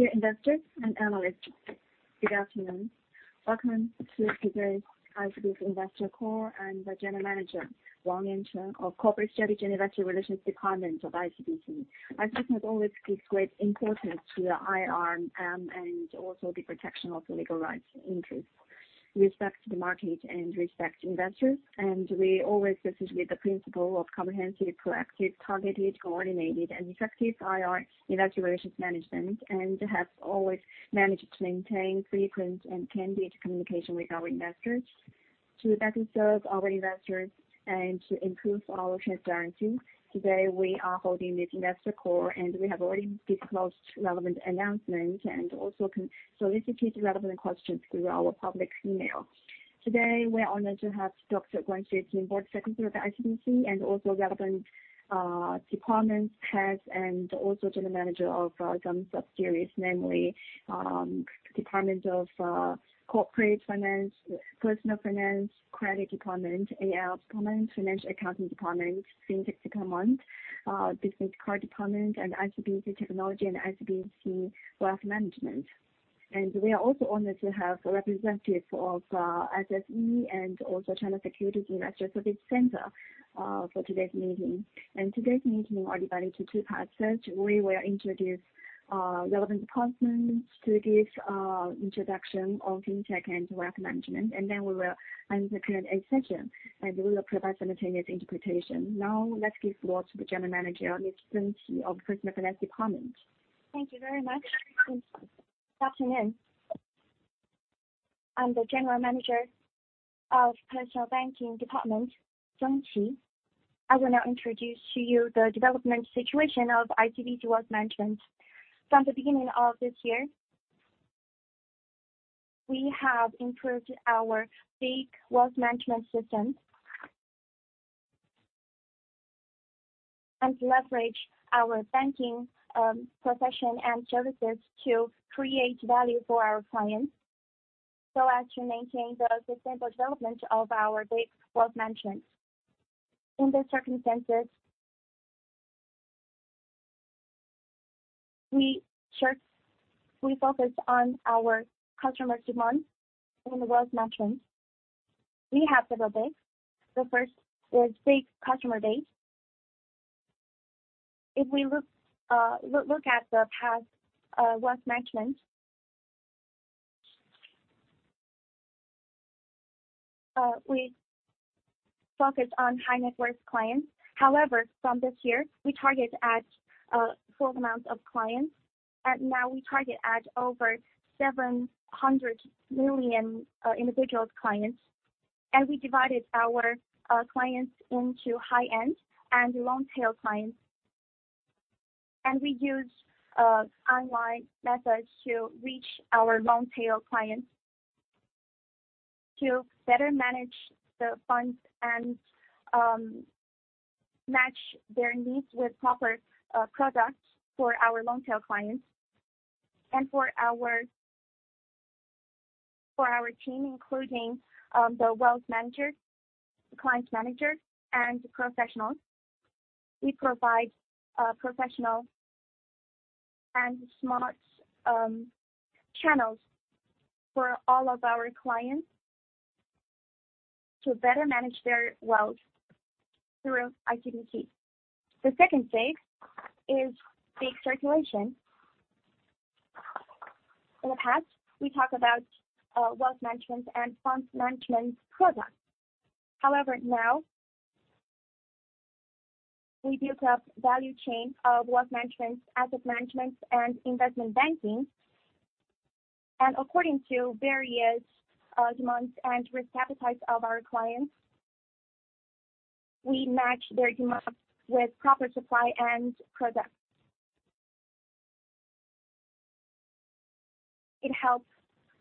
Dear investors and analysts, good afternoon. Welcome to today's ICBC Investor call. I'm the General Manager Wang Liancheng of Corporate Strategy and Investor Relations Department of ICBC. ICBC has always gives great importance to the IR, and also the protection of the legal rights interest, respect to the market, and respect investors. We always associate the principle of comprehensive, proactive, targeted, coordinated, and effective IR evaluations management and have always managed to maintain frequent and candid communication with our investors. To better serve our investors and to improve our transparency, today we are holding this investor call, and we have already disclosed relevant announcement and also solicited relevant questions through our public email. Today, we're honored to have Dr. Guan Xueqing, Board Secretary of ICBC, and also relevant department heads and also General Manager of some subsidiaries, namely, Department of Corporate Finance, Personal Finance, Credit Department, AL Department, Financial Accounting Department, FinTech Department, Credit Card Center, ICBC Technology and ICBC Wealth Management. We are also honored to have representative of SSE and also China Securities Investor Services Center for today's meeting. Today's meeting is divided to 2 parts. First, we will introduce relevant departments to give introduction of FinTech and wealth management. Then we will answer Q&A session, and we will provide simultaneous interpretation. Now, let's give floor to General Manager Ms. Zeng Qi of Personal Banking Department. Thank you very much. Good afternoon. I'm the General Manager of Personal Banking Department, Zeng Qi. I will now introduce to you the development situation of ICBC Wealth Management. From the beginning of this year, we have improved our big wealth management system and leverage our banking profession and services to create value for our clients so as to maintain the sustainable development of our big Wealth Management. In these circumstances, we focus on our customer demand in the wealth management. We have three goals. The first is big customer base. If we look at the past wealth management, we focus on high-net worth clients. From this year, we target at full amount of clients, and now we target at over 700 million individual clients. We divided our clients into high-end and long-tail clients. We use online methods to reach our long-tail clients to better manage the funds and match their needs with proper products for our long-tail clients. For our team, including the wealth manager, the client manager, and professionals, we provide professional and smart channels for all of our clients to better manage their wealth through ICBC. The second stage is big circulation. In the past, we talk about wealth management and fund management products. Now we built up value chain of wealth management, asset management, and investment banking. According to various demands and risk appetite of our clients, we match their demands with proper supply and products. It helps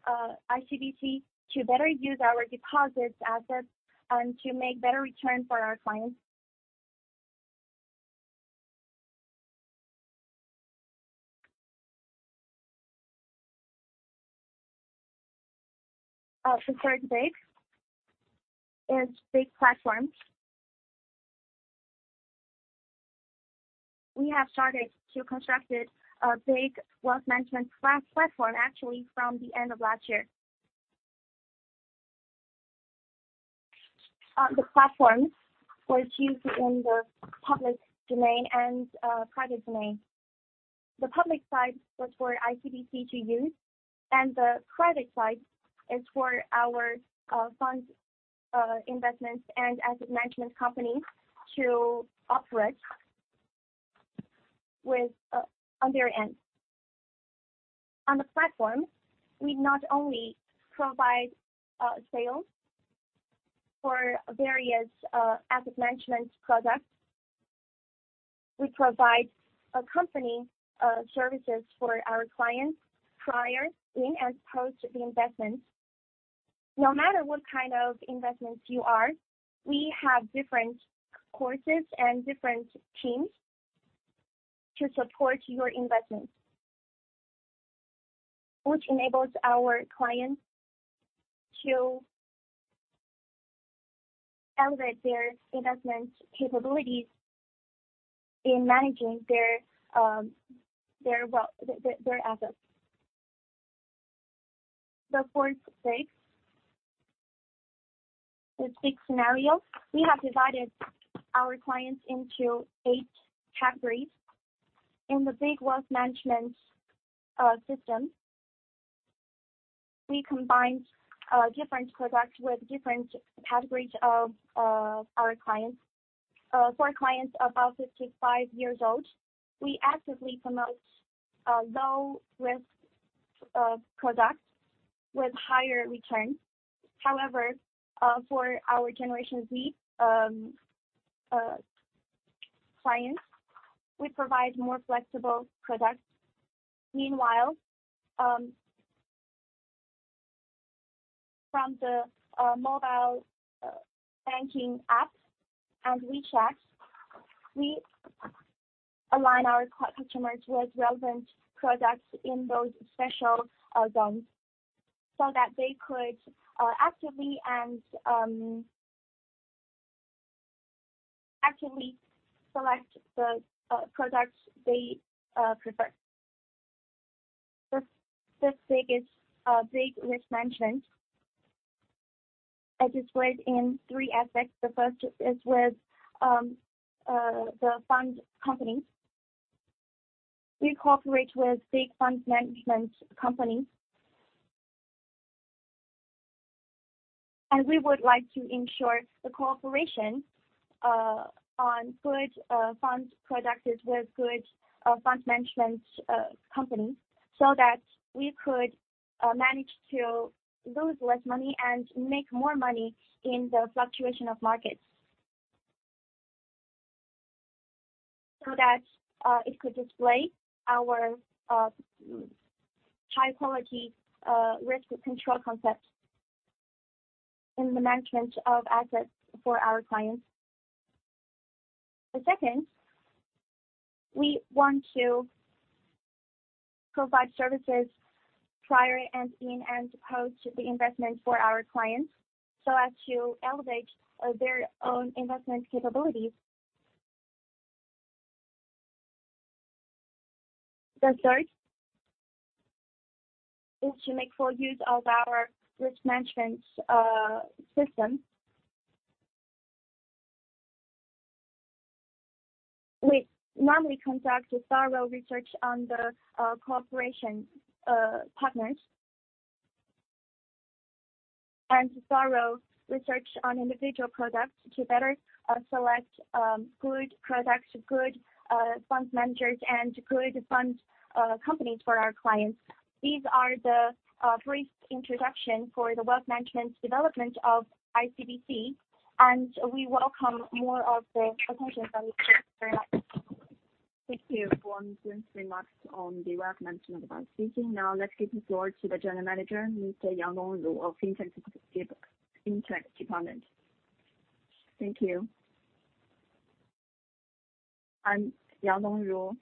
ICBC to better use our deposits assets and to make better return for our clients. The third stage is big platforms. We have started to constructed a big wealth management platform actually from the end of last year. The platforms was used in the public domain and private domain. The public side was for ICBC to use, and the private side is for our fund investments and asset management companies to operate with on their end. On the platform, we not only provide sales for various asset management products, we provide accompanying services for our clients prior in and post the investment. No matter what kind of investments you are, we have different courses and different teams to support your investment, which enables our clients to elevate their investment capabilities in managing their their assets. The fourth stage, the big scenario, we have divided our clients into eight categories. In the big wealth management system, we combined different products with different categories of our clients. For clients above 55 years old, we actively promote a low risk product with higher return. However, for our Generation Z clients, we provide more flexible products. Meanwhile, from the mobile banking apps and WeChat, we align our customers with relevant products in those special zones so that they could actively and actively select the products they prefer. The 5th stage is big risk management. It is spread in 3 aspects. The 1st is with the fund companies. We cooperate with big fund management companies. We would like to ensure the cooperation on good fund products with good fund management companies so that we could manage to lose less money and make more money in the fluctuation of markets so that it could display our high quality risk control concept in the management of assets for our clients. The second, we want to provide services prior and in and post the investment for our clients so as to elevate their own investment capabilities. The third is to make full use of our risk management system. We normally conduct a thorough research on the cooperation partners and thorough research on individual products to better select good products, good fund managers and good fund companies for our clients. These are the brief introduction for the wealth management development of ICBC, and we welcome more of the attention from you very much. Thank you for Wang Jun's remarks on the wealth management of ICBC. Let's give the floor to General Manager Mr. Yang Dongru of Fintech Department. Thank you. I'm Yang Dongru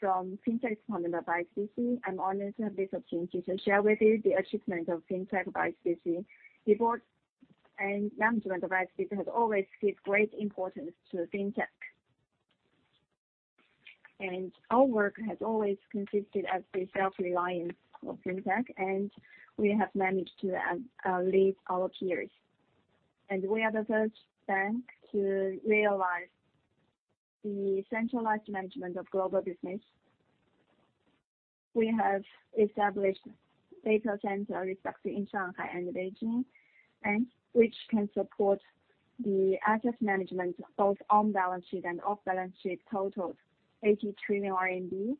from Fintech Department of ICBC. I'm honored to have this opportunity to share with you the achievement of Fintech of ICBC. The board and management of ICBC has always give great importance to Fintech. Our work has always consisted as the self-reliance of Fintech, and we have managed to lead our peers. We are the first bank to realize the centralized management of global business. We have established data center respective in Shanghai and Beijing, and which can support the asset management, both on-balance sheet and off-balance sheet, totaled 80 trillion RMB.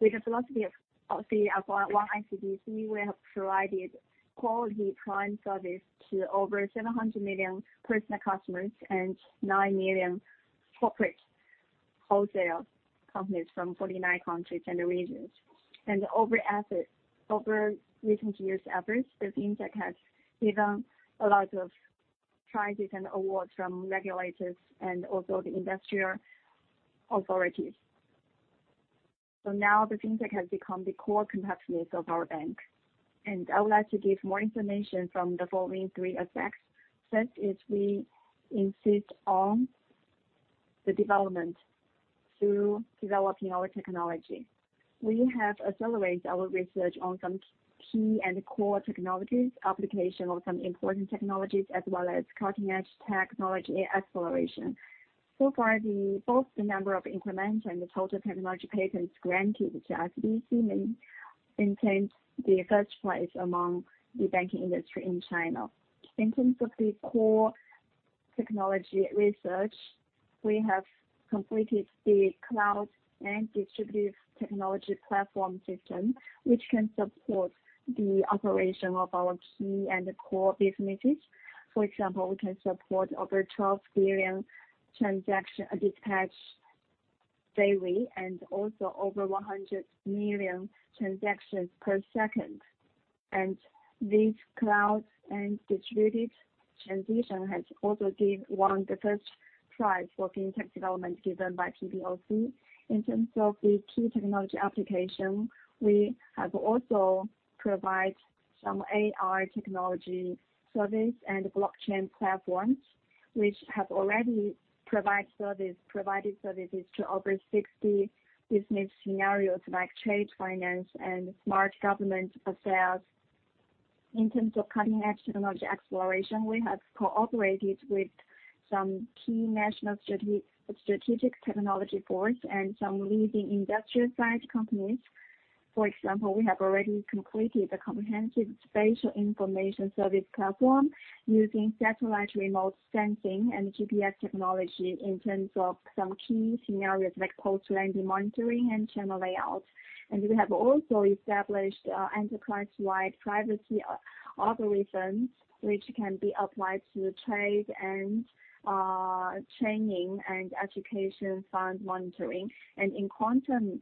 With the philosophy of the one ICBC, we have provided quality prime service to over 700 million personal customers and 9 million corporate wholesale companies from 49 countries and regions. Over recent years' efforts, the Fintech has given a lot of praises and awards from regulators and also the industrial authorities. Now the Fintech has become the core competitiveness of our bank. I would like to give more information from the following three aspects. First is we insist on the development through developing our technology. We have accelerate our research on some key and core technologies, application of some important technologies, as well as cutting-edge technology acceleration. So far, the, both the number of incremental and the total technology patents granted to ICBC may maintain the first place among the banking industry in China. In terms of the core technology research, we have completed the cloud and distributive technology platform system, which can support the operation of our key and core businesses. For example, we can support over 12 billion transaction dispatch daily, and also over 100 million transactions per second. This cloud and distributed transition has also won the first prize for Fintech development given by PBOC. In terms of the key technology application, we have also provide some AI technology service and blockchain platforms, which have already provided services to over 60 business scenarios like trade finance and smart government affairs. In terms of cutting-edge technology exploration, we have cooperated with some key national strategic technology boards and some leading industrial side companies. For example, we have already completed the comprehensive spatial information service platform using satellite remote sensing and GPS technology in terms of some key scenarios like post-landing monitoring and channel layout. We have also established enterprise-wide privacy algorithms which can be applied to trade and training and education fund monitoring. In quantum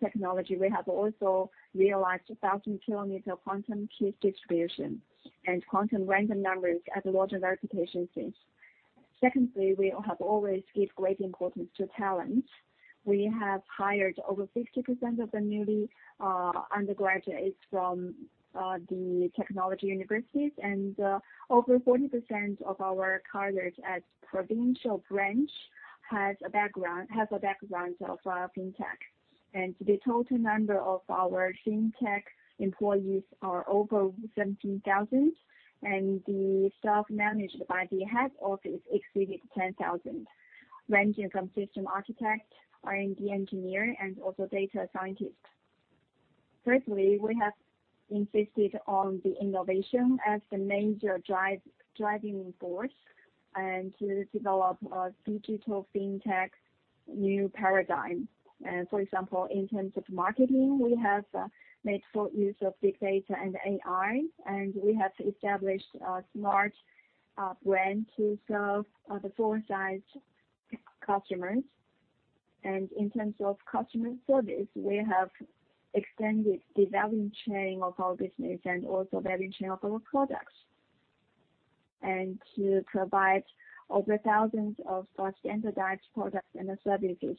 technology, we have also realized a 1,000-kilometer quantum key distribution and quantum random numbers at a large verification stage. We have always give great importance to talent. We have hired over 60% of the newly undergraduates from the technology universities, and over 40% of our colleagues at provincial branch has a background of fintech. The total number of our fintech employees are over 17,000, and the staff managed by the head office exceeded 10,000, ranging from system architect, R&D engineer, and also data scientist. Thirdly, we have insisted on the innovation as the major driving force and to develop a digital fintech new paradigm. For example, in terms of marketing, we have made full use of big data and AI, and we have established a smart brand to serve the foreign side customers. In terms of customer service, we have extended the value chain of our business and also value chain of our products. To provide over thousands of such standardized products and services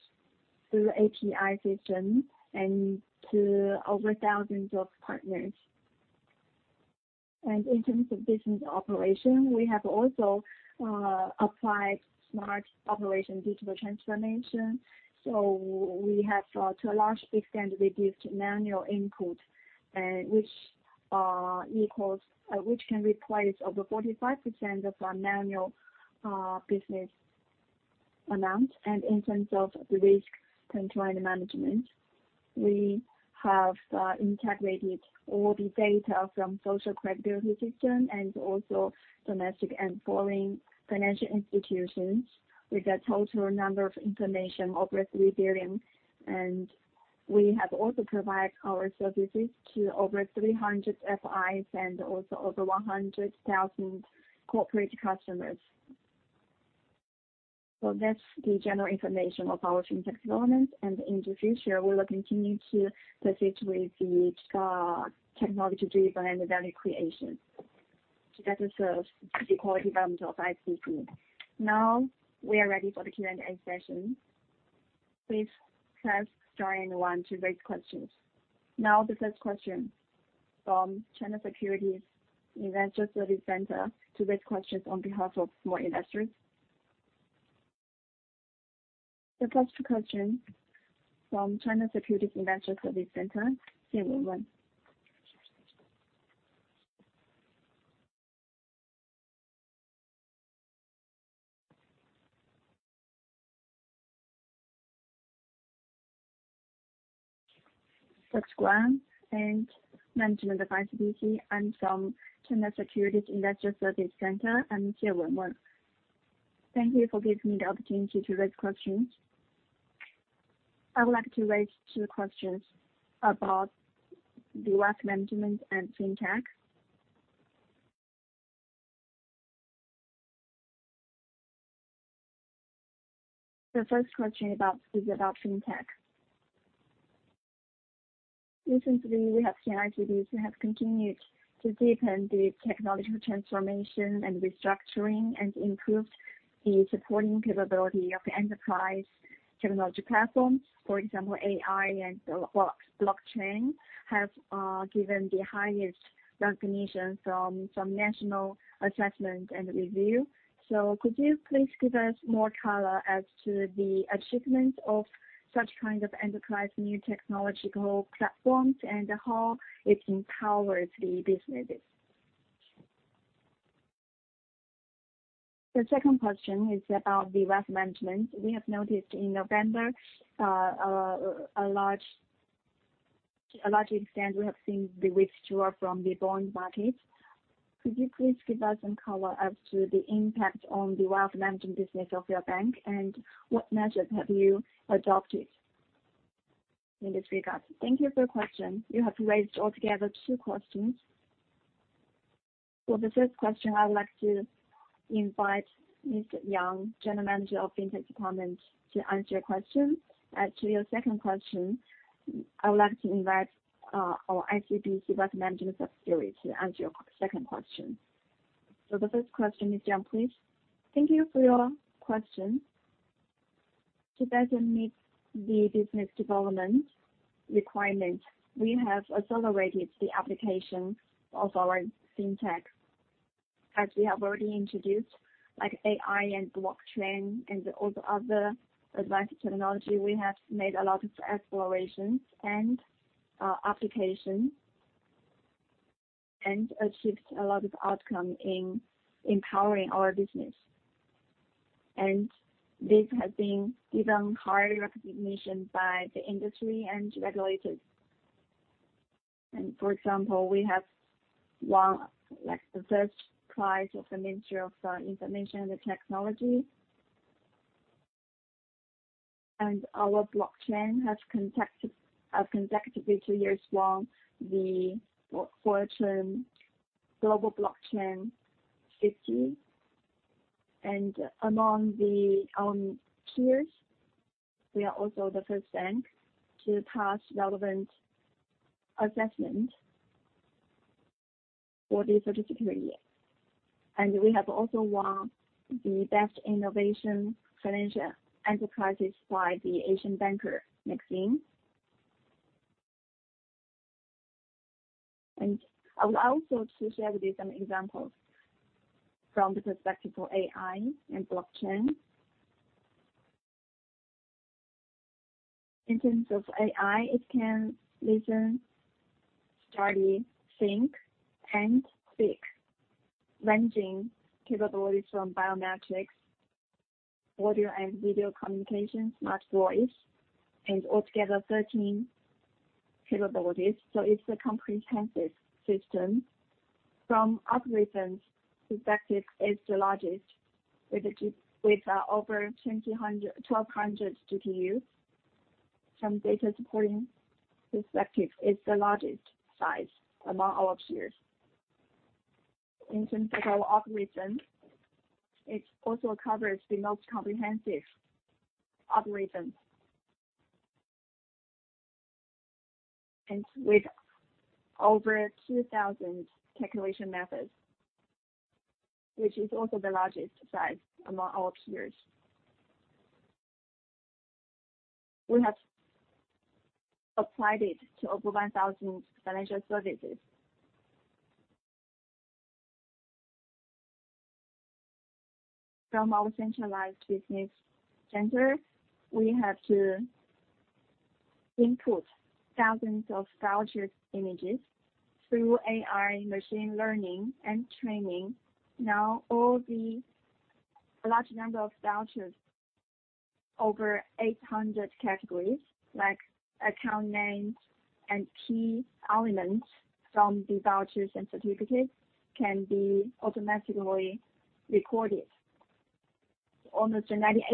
through API system and to over thousands of partners. In terms of business operation, we have also applied smart operation digital transformation. We have to a large extent reduced manual input, which can replace over 45% of our manual business amount. In terms of risk control and management, we have integrated all the data from social credibility system and also domestic and foreign financial institutions with a total number of information over 3 billion. We have also provided our services to over 300 FIs and also over 100,000 corporate customers. That's the general information of our fintech development. In the future, we will continue to proceed with the technology-driven and value creation to better serve the quality development of ICBC. Now, we are ready for the Q&A session. Please press star and 1 to raise questions. Now the first question from China Securities Investor Service Center to raise questions on behalf of more investors. The first question from China InvestorService Center. Xie Wenwen. That's great. Management of ICBC, I'm from China Securities Investor Service Center. I'm Xie Wenwen. Thank you for giving me the opportunity to raise questions. I would like to raise two questions about the wealth management and fintech. The first question is about fintech. Recently, we have seen ICBC has continued to deepen the technological transformation and restructuring and improved the supporting capability of enterprise technology platforms. For example, AI and blockchain have given the highest recognition from national assessment and review. Could you please give us more color as to the achievement of such kind of enterprise new technological platforms and how it empowers the businesses? The second question is about the wealth management. We have noticed in November, a large extent we have seen the withdrawal from the bond market. Could you please give us some color as to the impact on the wealth management business of your bank, and what measures have you adopted in this regard? Thank you for your question. You have raised altogether two questions. For the first question, I would like to invite Miss Yang, General Manager of Fintech Department, to answer your question. As to your second question, I would like to invite our ICBC Wealth Management subsidiary to answer your second question. The first question, Miss Yang, please. Thank you for your question. To better meet the business development requirement, we have accelerated the application of our FinTech. As we have already introduced, like AI and blockchain and all the other advanced technology, we have made a lot of explorations and application, and achieved a lot of outcome in empowering our business. This has been given high recognition by the industry and regulators. For example, we have won like the first prize of the Ministry of Industry and Information Technology. Our blockchain have consecutively two years won the Forbes Blockchain 50. Among the peers, we are also the first bank to pass relevant assessment for the certificate. We have also won the Best Innovation Financial Enterprises by The Asian Banker magazine. I would also like to share with you some examples from the perspective of AI and blockchain. In terms of AI, it can listen, study, think, and speak, ranging capabilities from biometrics, audio and video communication, smart voice, and altogether 13 capabilities. It's a comprehensive system. From algorithms perspective, it's the largest, with over 1,200 GPU. From data supporting perspective, it's the largest size among all peers. In terms of our algorithms, it also covers the most comprehensive algorithms. With over 2,000 calculation methods, which is also the largest size among all peers. We have applied it to over 1,000 financial services. From our centralized business center, we have to input thousands of vouchers images through AI machine learning and training. Now, all the large number of vouchers, over 800 categories, like account names and key elements from the vouchers and certificates, can be automatically recorded. Almost 98%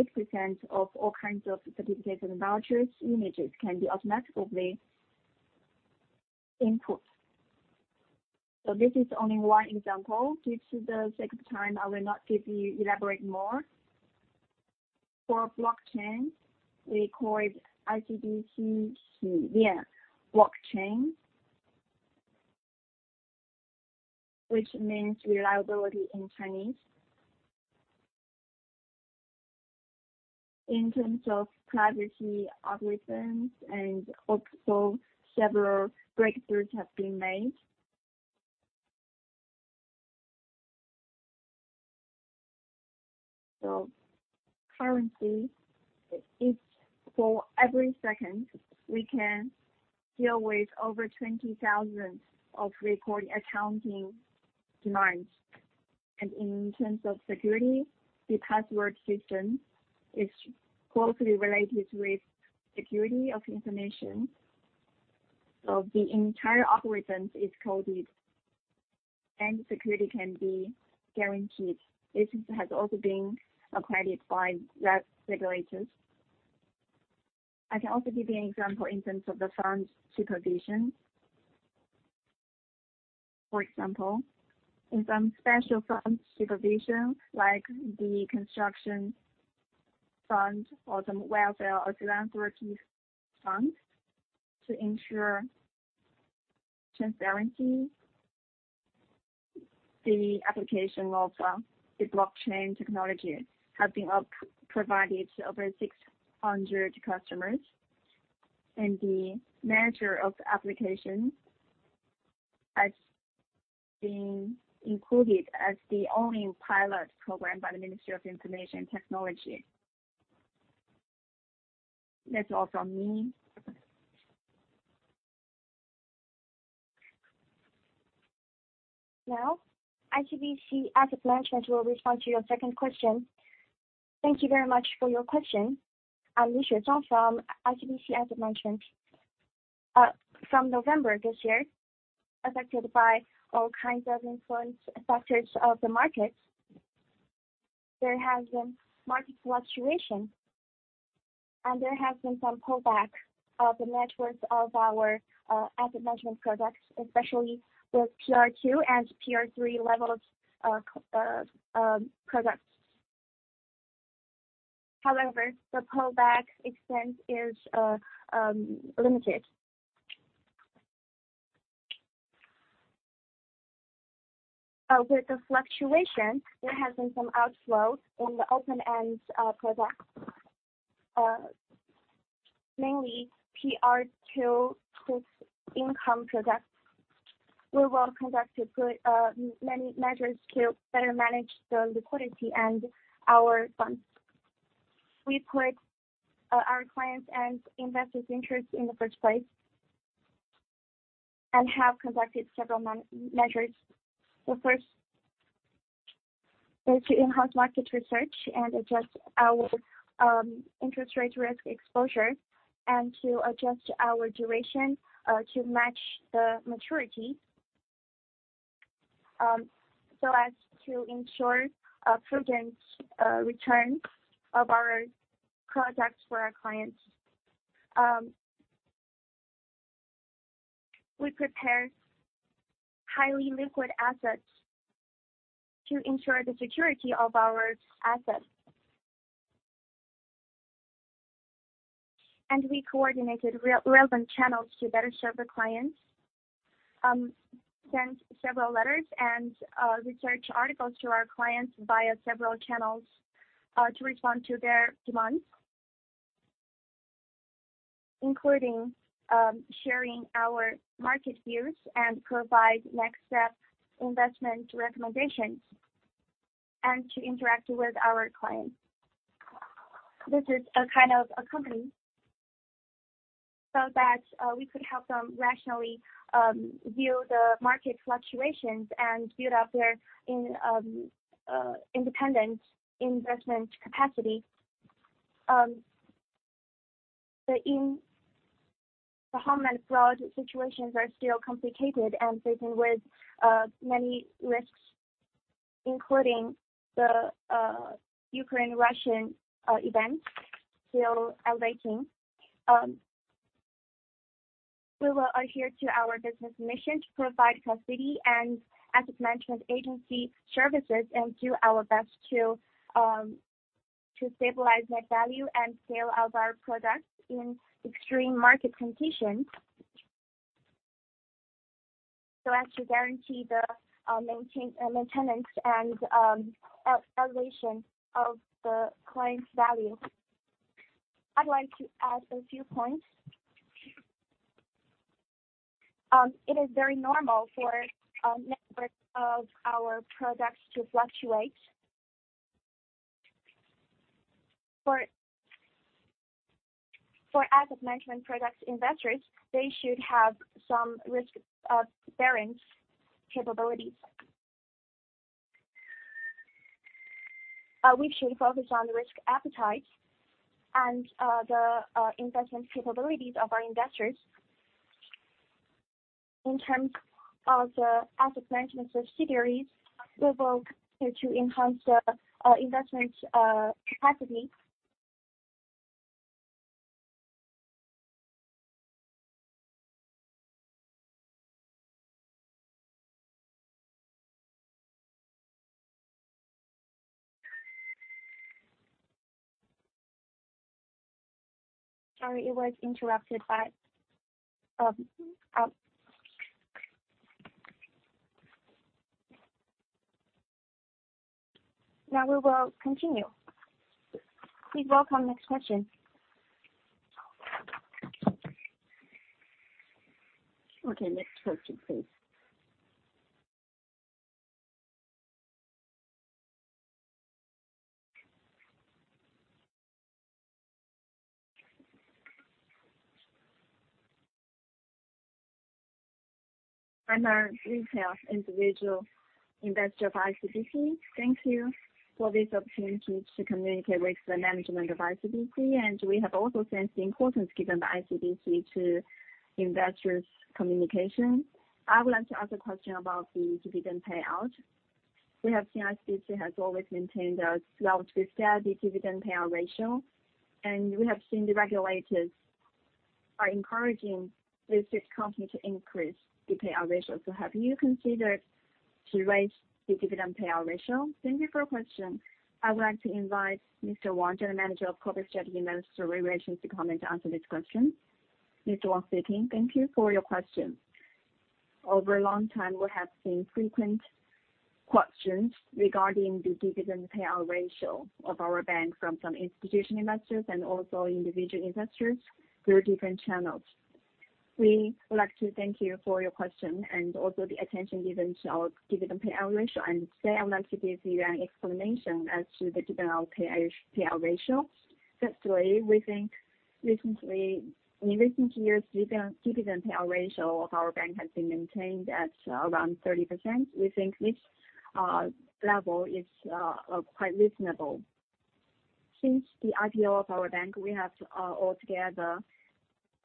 of all kinds of certificates and vouchers images can be automatically input. This is only one example. Due to the sake of time, I will not elaborate more. For Blockchain, we call it ICBC Blockchain, which means reliability in Chinese. In terms of privacy algorithms and also several breakthroughs have been made. Currently, it's for every second, we can deal with over 20,000 of recording accounting demands. In terms of security, the password system is closely related with security of information. The entire algorithms is coded, and security can be guaranteed. This has also been accredited by regulators. I can also give you an example in terms of the fund supervision. For example, in some special fund supervision, like the construction fund or some welfare or philanthropy fund to ensure transparency, the application of the blockchain technology has been provided to over 600 customers. The manager of the application has been included as the only pilot program by the Ministry of Industry and Information Technology. That's all from me. Now, ICBC Asset Management will respond to your second question. Thank you very much for your question. I'm Li Xuezhang from ICBC Asset Management. From November this year, affected by all kinds of influence factors of the market, there has been market fluctuation, and there has been some pullback of the net worth of our asset management products, especially with PR2 and PR3 level of products. However, the pullback extent is limited. With the fluctuation, there has been some outflows in the open-end products. Mainly PR2 fixed income products. We will conduct many measures to better manage the liquidity and our funds. We put our clients' and investors' interests in the first place and have conducted several measures. The first is to enhance market research and adjust our interest rate risk exposure and to adjust our duration to match the maturity, so as to ensure a prudent return of our products for our clients. We prepared highly liquid assets to ensure the security of our assets. We coordinated relevant channels to better serve the clients. Sent several letters and research articles to our clients via several channels to respond to their demands. Including sharing our market views and provide next step investment recommendations and to interact with our clients. This is a kind of a company so that we could help them rationally view the market fluctuations and build up their independent investment capacity. The home and abroad situations are still complicated and facing with many risks, including the Ukraine-Russian events still awaiting. We will adhere to our business mission to provide custody and asset management agency services and do our best to stabilize net value and scale of our products in extreme market conditions. To guarantee the maintenance and evaluation of the client's value. I'd like to add a few points. It is very normal for a network of our products to fluctuate. For asset management products investors, they should have some risk bearings capabilities. We should focus on the risk appetite and the investment capabilities of our investors. In terms of the asset management subsidiaries, we will continue to enhance the investment capacity. Sorry, it was interrupted by. Now we will continue. Please welcome next question. Okay, next question please. I'm a retail individual investor for ICBC. Thank you for this opportunity to communicate with the management of ICBC, and we have also sensed the importance given by ICBC to investors' communication. I would like to ask a question about the dividend payout. We have seen ICBC has always maintained a relatively steady dividend payout ratio, and we have seen the regulators are encouraging listed company to increase the payout ratio. Have you considered to raise the dividend payout ratio? Thank you for your question. I would like to invite Mr. Wang, General Manager of Corporate Strategy and Investor Relations to comment and answer this question. Mr. Wang speaking. Thank you for your question. Over a long time, we have seen frequent questions regarding the dividend payout ratio of our bank from some institutional investors and also individual investors through different channels. We would like to thank you for your question and also the attention given to our dividend payout ratio. Today I would like to give you an explanation as to the dividend payout ratio. Firstly, we think in recent years, dividend payout ratio of our bank has been maintained at around 30%. We think this level is quite reasonable. Since the IPO of our bank, we have all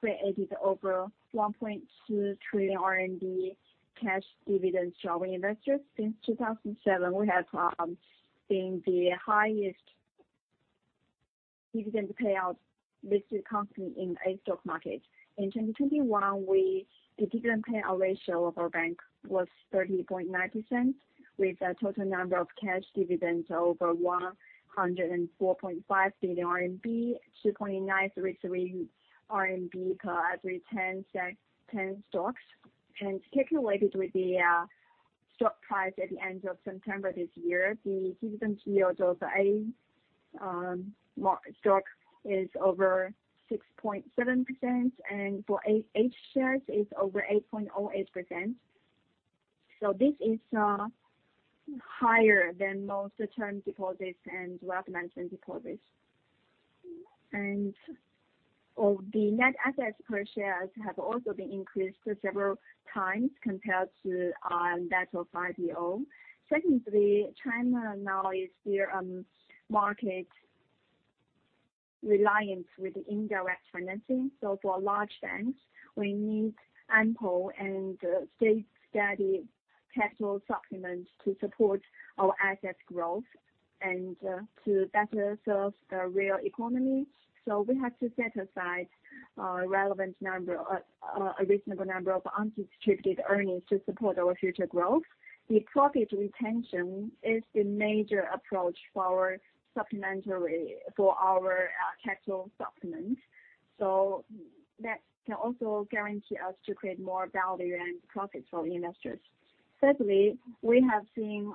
together created over 1.2 trillion RMB cash dividends to our investors. Since 2007, we have been the highest dividend payout listed company in A-share market. In 2021, we. The dividend payout ratio of our bank was 30.9% with a total number of cash dividends over 104.5 billion RMB, 2.933 RMB per every 10 stocks. Calculated with the stock price at the end of September this year, the dividend yield was over 6.7%, and for H shares is over 8.08%. This is higher than most term deposits and wealth management deposits. Of the net assets per shares have also been increased several times compared to that of IPO. Secondly, China now is their market reliance with indirect financing. For large banks, we need ample and steady capital supplements to support our asset growth and to better serve the real economy. We have to set aside relevant number, a reasonable number of undistributed earnings to support our future growth. The profit retention is the major approach for supplementary for our capital supplement. That can also guarantee us to create more value and profits for the investors. Thirdly, we have seen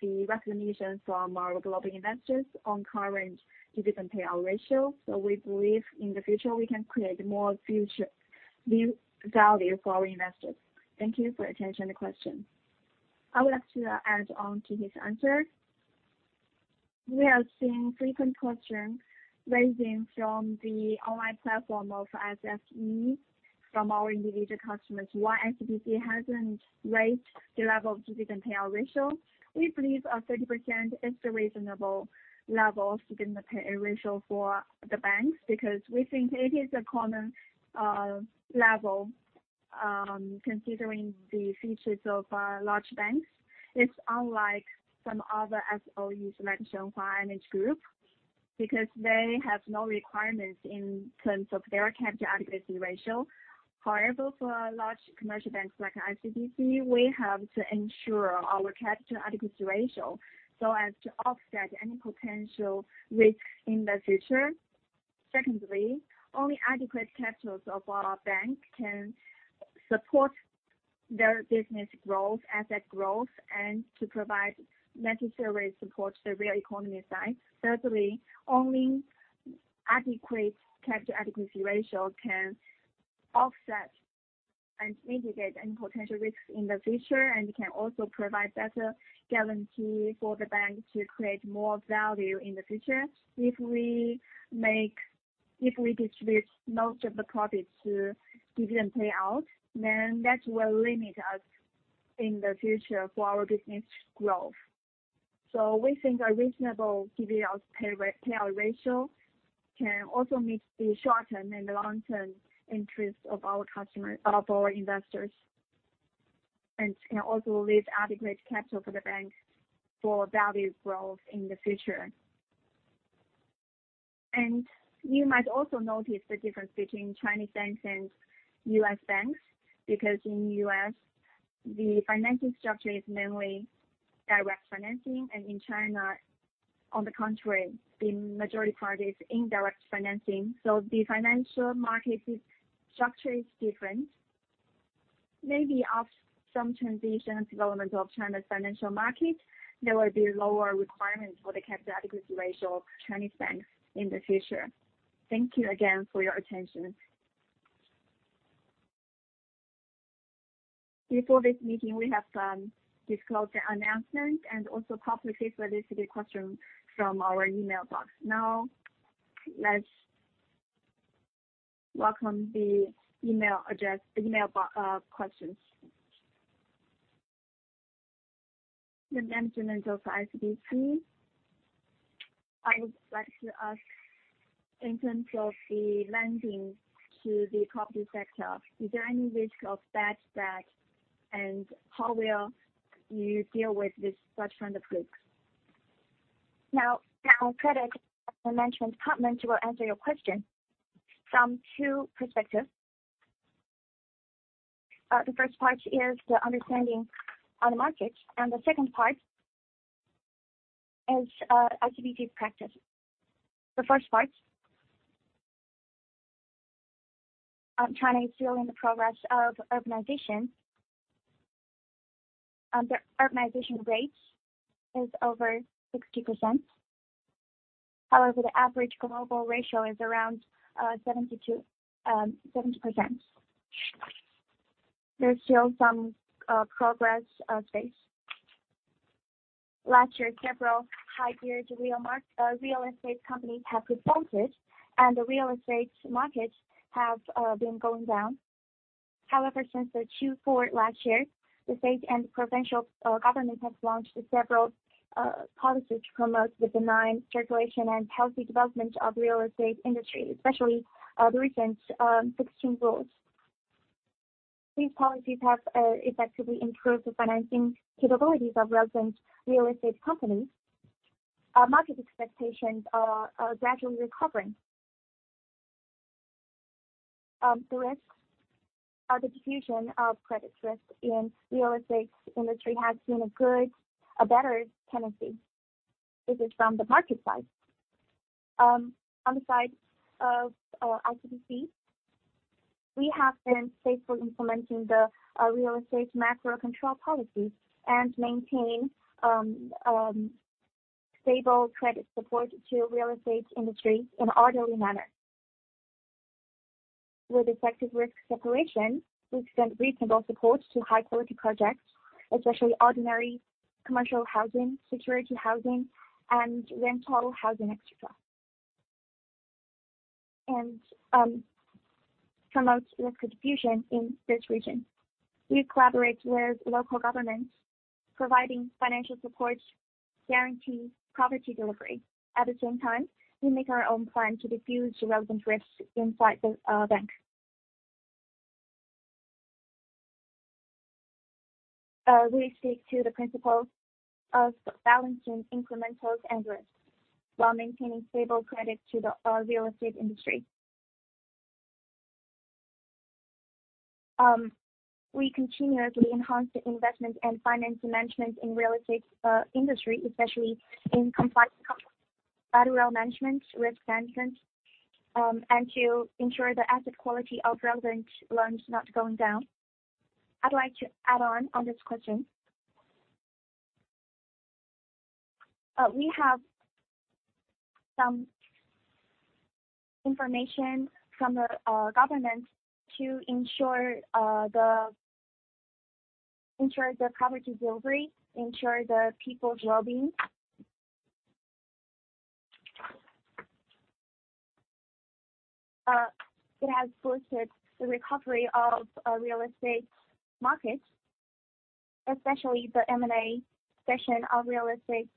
the recognition from our global investors on current dividend payout ratio. We believe in the future we can create more future new value for investors. Thank you for your attention and question. I would like to add on to his answer. We are seeing frequent questions raising from the online platform of SSE from our individual customers why ICBC hasn't raised the level of dividend payout ratio. We believe 30% is the reasonable level of dividend payout ratio for the banks, because we think it is a common level, considering the features of large banks. It's unlike some other SOEs like Shenhua and each group, because they have no requirements in terms of their capital adequacy ratio. However, for large commercial banks like ICBC, we have to ensure our capital adequacy ratio so as to offset any potential risk in the future. Secondly, only adequate capitals of our bank can support their business growth, asset growth, and to provide necessary support to the real economy side. Thirdly, only adequate capital adequacy ratio can offset and mitigate any potential risks in the future, and can also provide better guarantee for the bank to create more value in the future. If we distribute most of the profits to dividend payout, that will limit us in the future for our business growth. We think a reasonable dividend payout ratio can also meet the short-term and the long-term interests of our customer, investors, and can also leave adequate capital for the bank for value growth in the future. You might also notice the difference between Chinese banks and U.S. banks, because in the U.S., the financing structure is mainly direct financing, and in China, on the contrary, the majority part is indirect financing. The financial market is. Structure is different. Maybe after some transition and development of China's financial market, there will be lower requirements for the capital adequacy ratio of Chinese banks in the future. Thank you again for your attention. Before this meeting, we have disclosed the announcement and also published a list of the questions from our email box. Let's welcome the email address, questions. The management of ICBC. I would like to ask, in terms of the lending to the property sector, is there any risk of bad debt? How will you deal with this such kind of risk? Credit Management Department will answer your question from two perspectives. The first part is the understanding on the market, and the second part is ICBC's practice. The first part. China is still in the progress of urbanization. The urbanization rate is over 60%. However, the average global ratio is around 72, 70%. There's still some progress space. Last year, several high geared real estate companies have defaulted, and the real estate markets have been going down. Since the 2 quarter last year, the state and provincial government has launched several policies to promote the benign circulation and healthy development of real estate industry, especially the recent 16 Measures. These policies have effectively improved the financing capabilities of relevant real estate companies. Market expectations are gradually recovering. The risks or the diffusion of credit risk in real estate industry has been a better tendency. This is from the market side. On the side of ICBC, we have been safely implementing the real estate macro control policy and maintain stable credit support to real estate industry in an orderly manner. With effective risk separation, we extend reasonable support to high quality projects, especially ordinary commercial housing, security housing and rental housing, et cetera. Promote risk diffusion in this region. We collaborate with local governments providing financial support, guarantee property delivery. At the same time, we make our own plan to diffuse relevant risks inside the bank. We stick to the principles of balancing incrementals and risks while maintaining stable credit to the real estate industry. We continuously enhance the investment and finance management in real estate industry, especially in compliance, collateral management, risk management, and to ensure the asset quality of relevant loans not going down. I'd like to add on this question. We have some information from the government to ensure the property delivery, ensure the people's well-being. It has boosted the recovery of real estate markets, especially the M&A section of real estate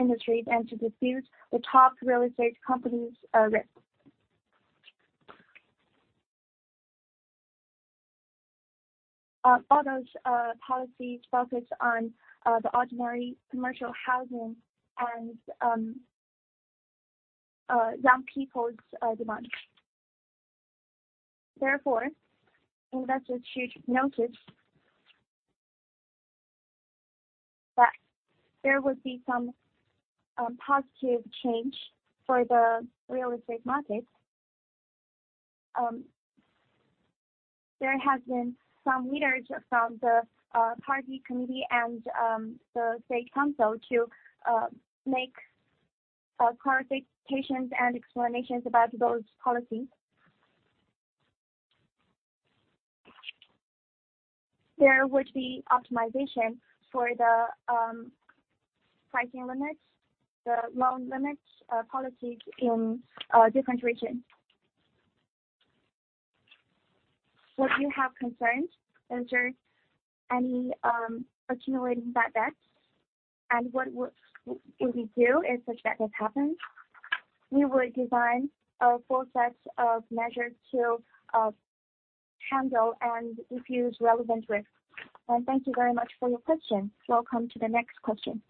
industry and to diffuse the top real estate companies risk. All those policies focused on the ordinary commercial housing and young people's demand. Therefore, investors should notice that there would be some positive change for the real estate market. There have been some leaders from the Party Central Committee and the State Council to make clarifications and explanations about those policies. There would be optimization for the pricing limits, the loan limits, policies in different regions. Would you have concerns if there's any accumulating bad debts, and what would we do if such debt has happened? We will design a full set of measures to handle and diffuse relevant risk. Thank you very much for your question. Welcome to the next question.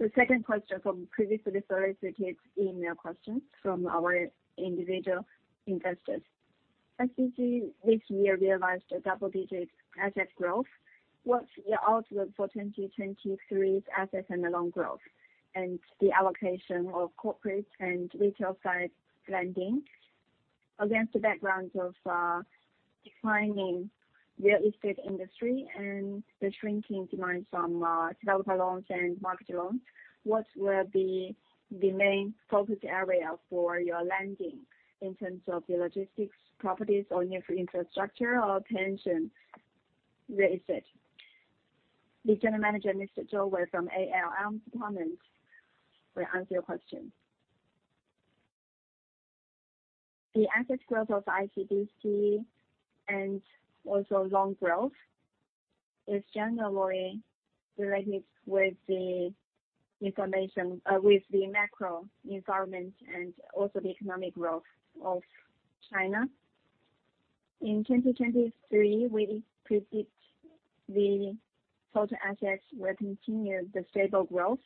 The second question from previously solicited email questions from our individual investors. ICBC this year realized a double-digit asset growth. What's your outlook for 2023's asset and loan growth, and the allocation of corporate and retail site lending against the background of declining real estate industry and the shrinking demand from developer loans and market loans? What will be the main focus area for your lending in terms of the logistics properties or infrastructure or pension real estate? The General Manager, Mr. Zhou, from ALM department will answer your question. The asset growth of ICBC and also loan growth is generally related with the information with the macro environment and also the economic growth of China. In 2023, we predict the total assets will continue the stable growth,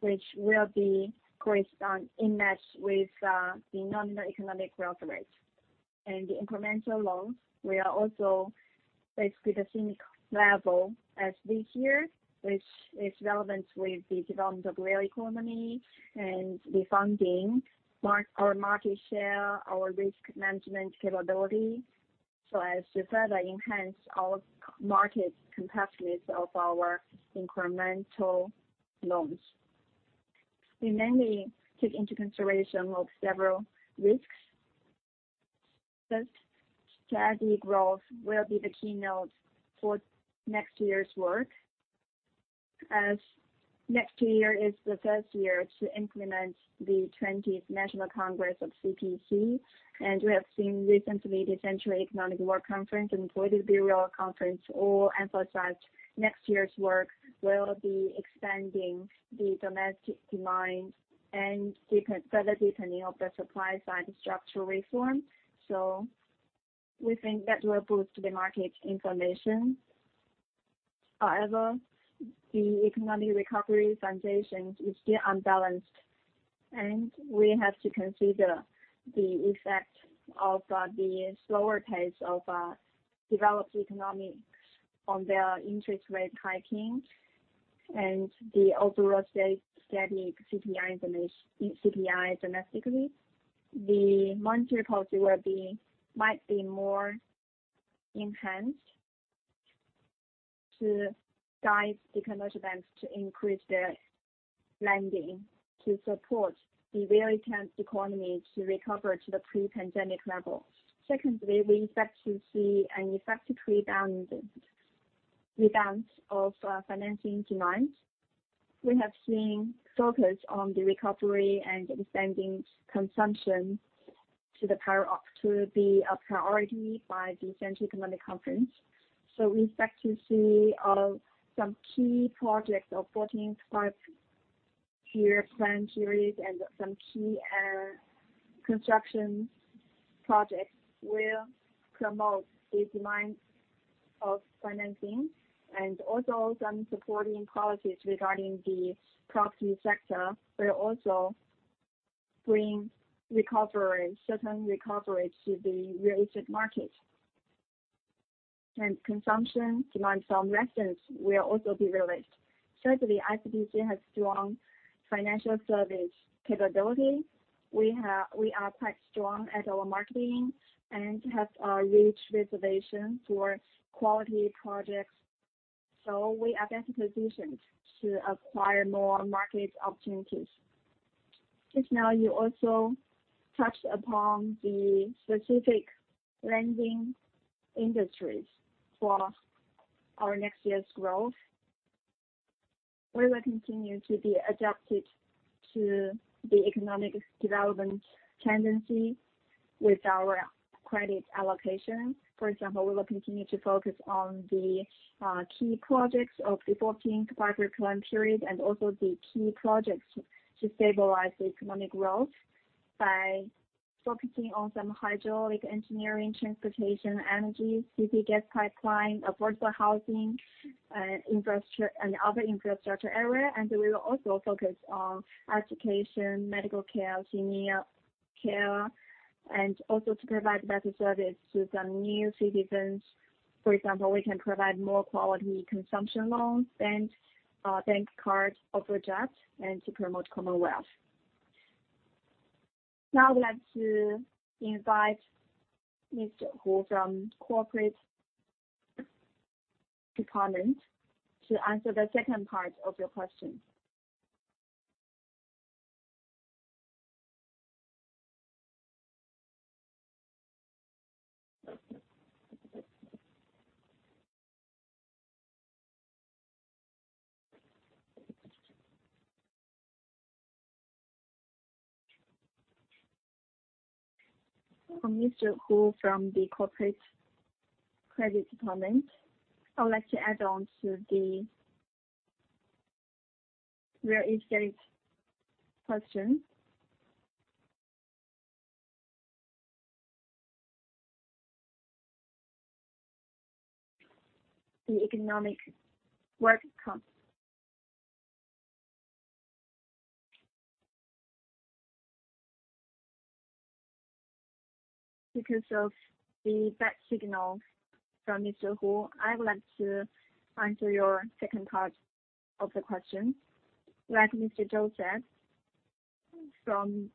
which will be correspond in match with the nominal economic growth rate. The incremental loans will also basically the same level as this year, which is relevant with the development of real economy and the funding, our market share, our risk management capability. As to further enhance our market competitiveness of our incremental loans. We mainly take into consideration of several risks. First, steady growth will be the keynote for next year's work, as next year is the first year to implement the 20th National Congress of CPC. We have seen recently the Central Economic Work Conference and Political Bureau conference all emphasized next year's work will be expanding the domestic demand and further deepening of the supply side structural reform. We think that will boost the market information. However, the economic recovery foundation is still unbalanced. We have to consider the effect of the slower pace of developed economies on their interest rate hiking and the overall steady CPI domestically. The monetary policy might be more enhanced to guide the commercial banks to increase their lending to support the very tense economy to recover to the pre-pandemic level. Secondly, we expect to see an effective rebound of financing demand. We have seen focus on the recovery and expanding consumption to be a priority by the Central Economic Conference. We expect to see some key projects of 14th Five-Year Plan period and some key construction projects will promote the demand of financing and also some supporting policies regarding the property sector will also bring certain recovery to the real estate market. Consumption demand from residents will also be released. Thirdly, ICBC has strong financial service capability. We are quite strong at our marketing and have a rich reservation for quality projects, so we are better positioned to acquire more market opportunities. Just now, you also touched upon the specific lending industries for our next year's growth. We will continue to be adapted to the economic development tendency with our credit allocation. For example, we will continue to focus on the key projects of the 14th Five-Year Plan period and also the key projects to stabilize the economic growth by focusing on some hydraulic engineering, transportation, energy, city gas pipeline, affordable housing and other infrastructure area. We will also focus on education, medical care, senior care, and also to provide better service to some new citizens. For example, we can provide more quality consumption loans and bank card overdraft and to promote commonwealth. Now I'd like to invite Mr. Hu from Credit Department to answer the second part of your question. I'm Mr. Hu from the Credit Department. I would like to add on to the real estate question. Because of the bad signal from Mr. Hu, I would like to answer your second part of the question. Like Mr. Zhou said, from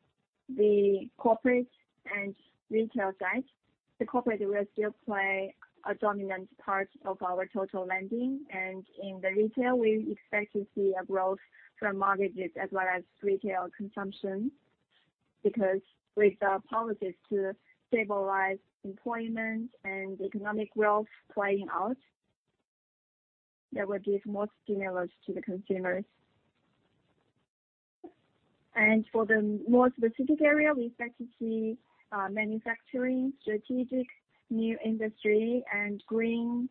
the corporate and retail side, the corporate will still play a dominant part of our total lending. In the retail, we expect to see a growth from mortgages as well as retail consumption. Because with the policies to stabilize employment and economic growth playing out, there will be more stimulus to the consumers. For the more specific area, we expect to see manufacturing, strategic new industry and green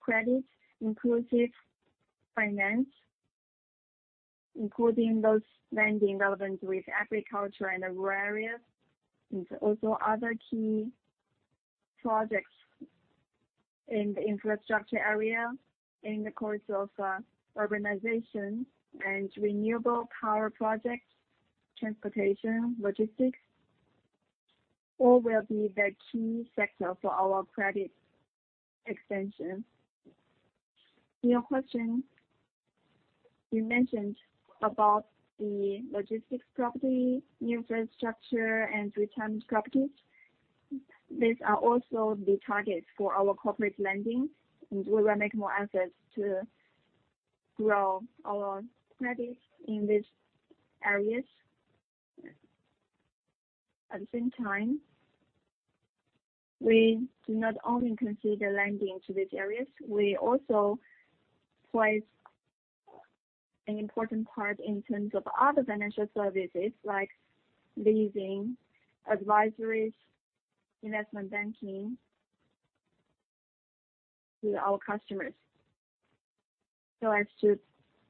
credit, inclusive finance, including those lending relevant with agriculture and rural areas. Also other key projects in the infrastructure area in the course of urbanization and renewable power projects, transportation, logistics, all will be the key sector for our credit extension. In your question, you mentioned about the logistics property, infrastructure and return properties. These are also the targets for our corporate lending, and we will make more efforts to grow our credits in these areas. At the same time, we do not only consider lending to these areas, we also place an important part in terms of other financial services like leasing, advisories, investment banking to our customers. As to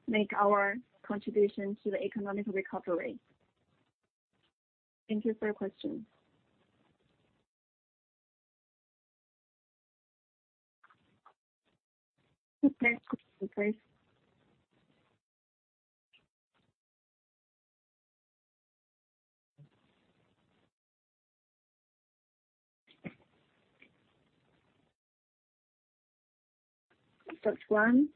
make our contribution to the economic recovery. Thank you for your question. Next question, please. That's one.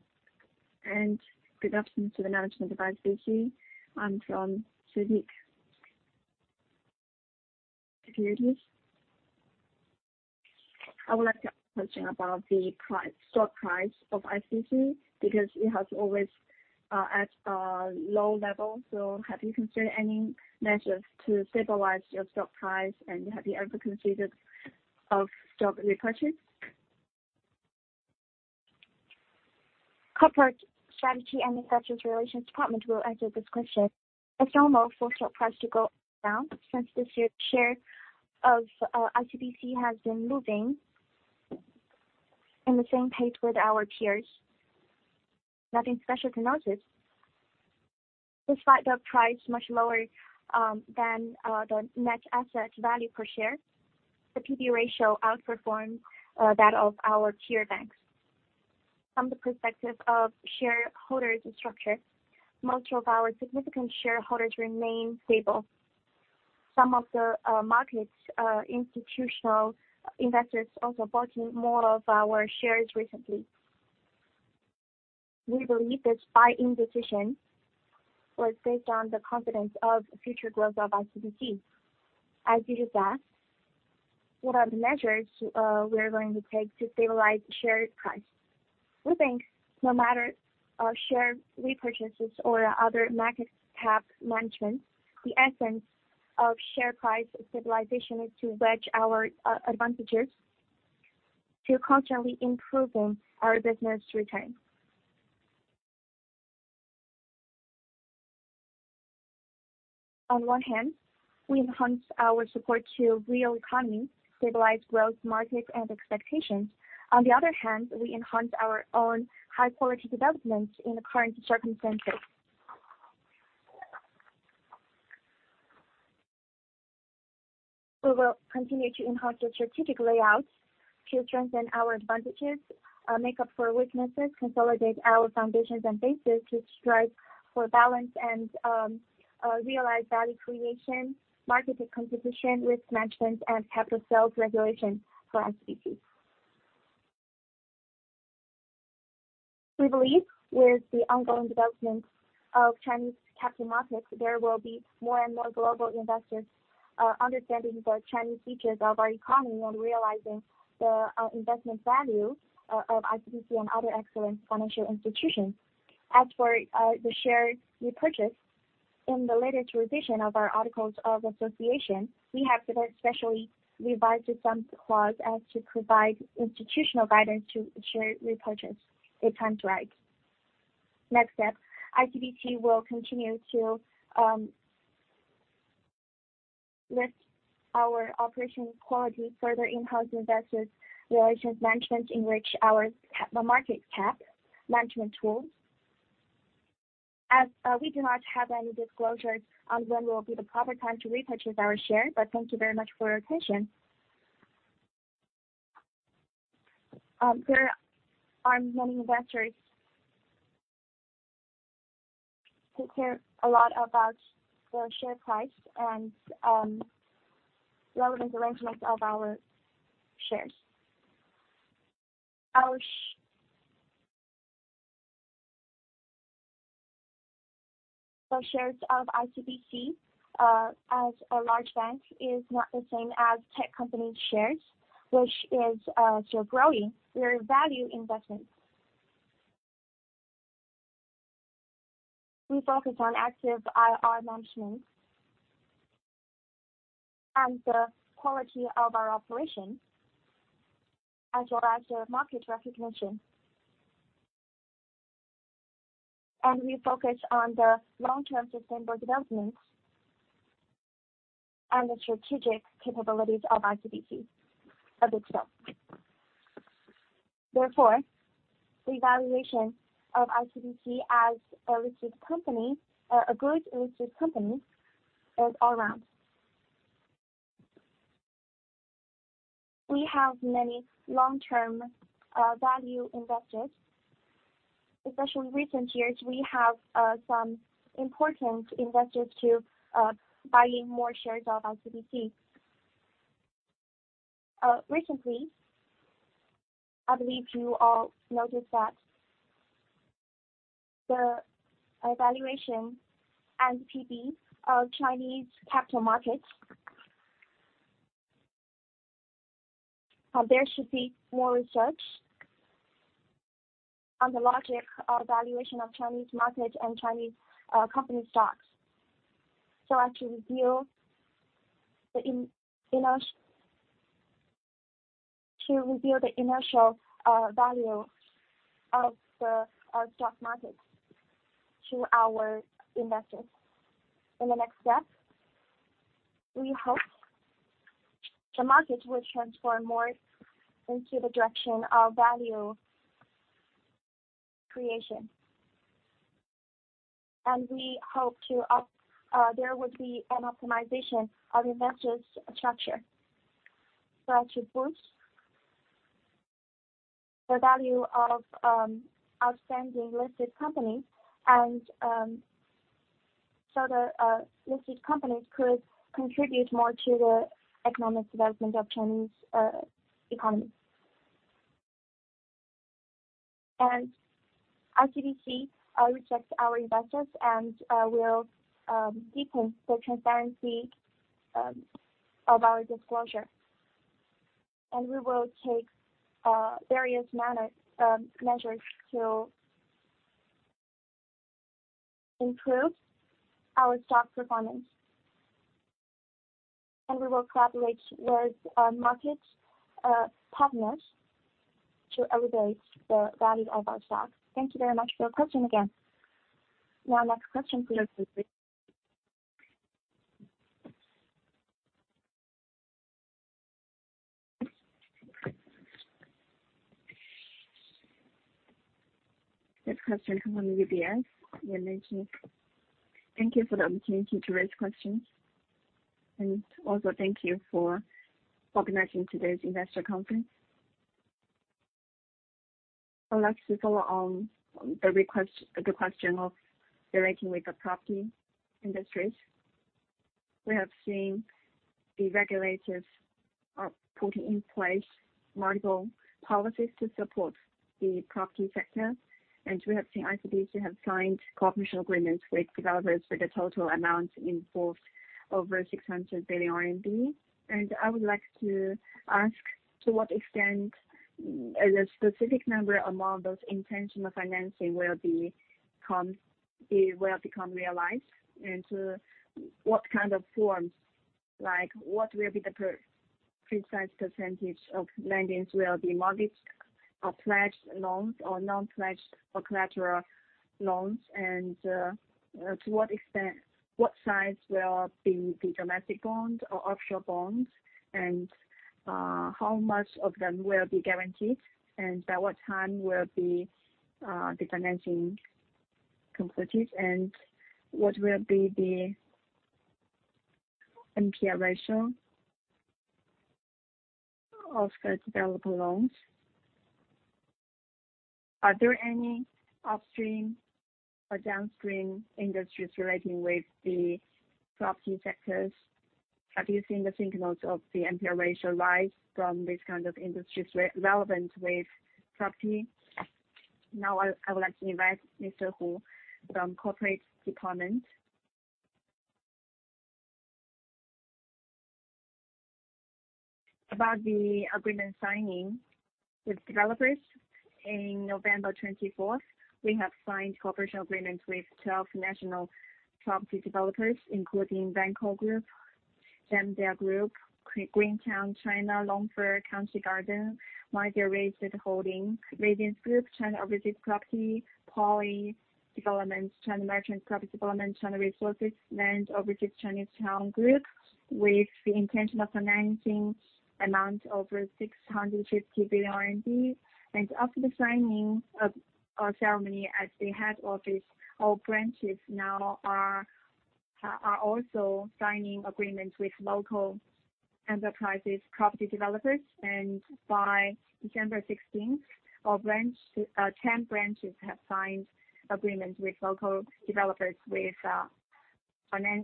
Good afternoon to the management of ICBC. I'm from CNBC. I would like to ask a question about the stock price of ICBC, because it has always at a low level. Have you considered any measures to stabilize your stock price? Have you ever considered of stock repurchase? Corporate Strategy and Investor Relations Department will answer this question. It's normal for share price to go down since this year, share of ICBC has been moving in the same page with our peers. Nothing special to notice. Despite the price much lower than the net asset value per share, the P/B ratio outperforms that of our peer banks. From the perspective of shareholders structure, most of our significant shareholders remain stable. Some of the market's institutional investors also bought in more of our shares recently. We believe this buy-in decision was based on the confidence of future growth of ICBC. As you just asked, what are the measures we are going to take to stabilize share price? We think no matter our share repurchases or other market cap management, the essence of share price stabilization is to wedge our a-advantages to constantly improving our business return. On one hand, we enhance our support to real economy, stabilize growth market and expectations. On the other hand, we enhance our own high-quality development in the current circumstances. We will continue to enhance the strategic layouts to strengthen our advantages, make up for weaknesses, consolidate our foundations and basis to strive for balance and realize value creation, market competition, risk management, and capital cells regulation for ICBC. We believe with the ongoing development of Chinese capital markets, there will be more and more global investors understanding the Chinese features of our economy and realizing the investment value of ICBC and other excellent financial institutions. As for the shares repurchase in the later transition of our articles of association, we have to then specially revise some clause as to provide institutional guidance to share repurchase if time's right. Next step, ICBC will continue to lift our operation quality, further enhance investors relations management, enrich the market cap management tools. We do not have any disclosures on when will be the proper time to repurchase our share. Thank you very much for your attention. There are many investors who care a lot about the share price and relevant arrangements of our shares. the shares of ICBC, as a large bank is not the same as tech company shares, which is still growing. We are a value investment. We focus on active IR management and the quality of our operations as well as the market recognition. We focus on the long-term sustainable development and the strategic capabilities of ICBC a bit so. Therefore, the evaluation of ICBC as a listed company or a good listed company is all round. We have many long-term value investors. Especially recent years, we have some important investors to buying more shares of ICBC. Recently, I believe you all noticed that the evaluation and P/B of Chinese capital markets, there should be more research on the logic of valuation of Chinese market and Chinese company stocks. As to reveal the inertial value of our stock market to our investors. In the next step, we hope the market will transform more into the direction of value creation. We hope there would be an optimization of investors structure. To boost the value of outstanding listed companies and so the listed companies could contribute more to the economic development of Chinese economy. ICBC respects our investors and will deepen the transparency of our disclosure. We will take various measures to improve our stock performance. We will collaborate with market partners to elevate the value of our stocks. Thank you very much for your question again. One last question, please. Next question comes from UBS. Yeah, Xin-Yao Ng. Thank you for the opportunity to raise questions. Also thank you for organizing today's investor conference. I'd like to follow on the request, the question of directing with the property industries. We have seen the regulators are putting in place multiple policies to support the property sector. We have seen ICBC have signed cooperation agreements with developers for the total amount in both over 600 billion RMB. I would like to ask, to what extent the specific number among those intentional financing will become realized? To what kind of forms? Like, what will be the precise percentage of lendings will be mortgaged or pledged loans or non-pledged or collateral loans? What size will be the domestic bonds or offshore bonds? How much of them will be guaranteed? By what time will be the financing completed? What will be the NPL ratio of the developer loans? Are there any upstream or downstream industries relating with the property sectors? Have you seen the signals of the NPL ratio rise from these kind of industries relevant with property? I would like to invite Mr. Hu from corporate department. About the agreement signing with developers. In November 24th, we have signed cooperation agreement with 12 national property developers, including Vanke Gemdale Group, Greentown China Holdings, Longfor Group, Midea Real Estate Holdings, Radiance Holdings Group, China Overseas Land & Property, Poly Development, China Merchants Property Development, China Resources Land, Overseas Chinese Town Group, with the intention of financing amount over 650 billion RMB. After the signing of our ceremony as the head office, all branches now are also signing agreements with local enterprises, property developers. By December 16th, our 10 branches have signed agreements with local developers with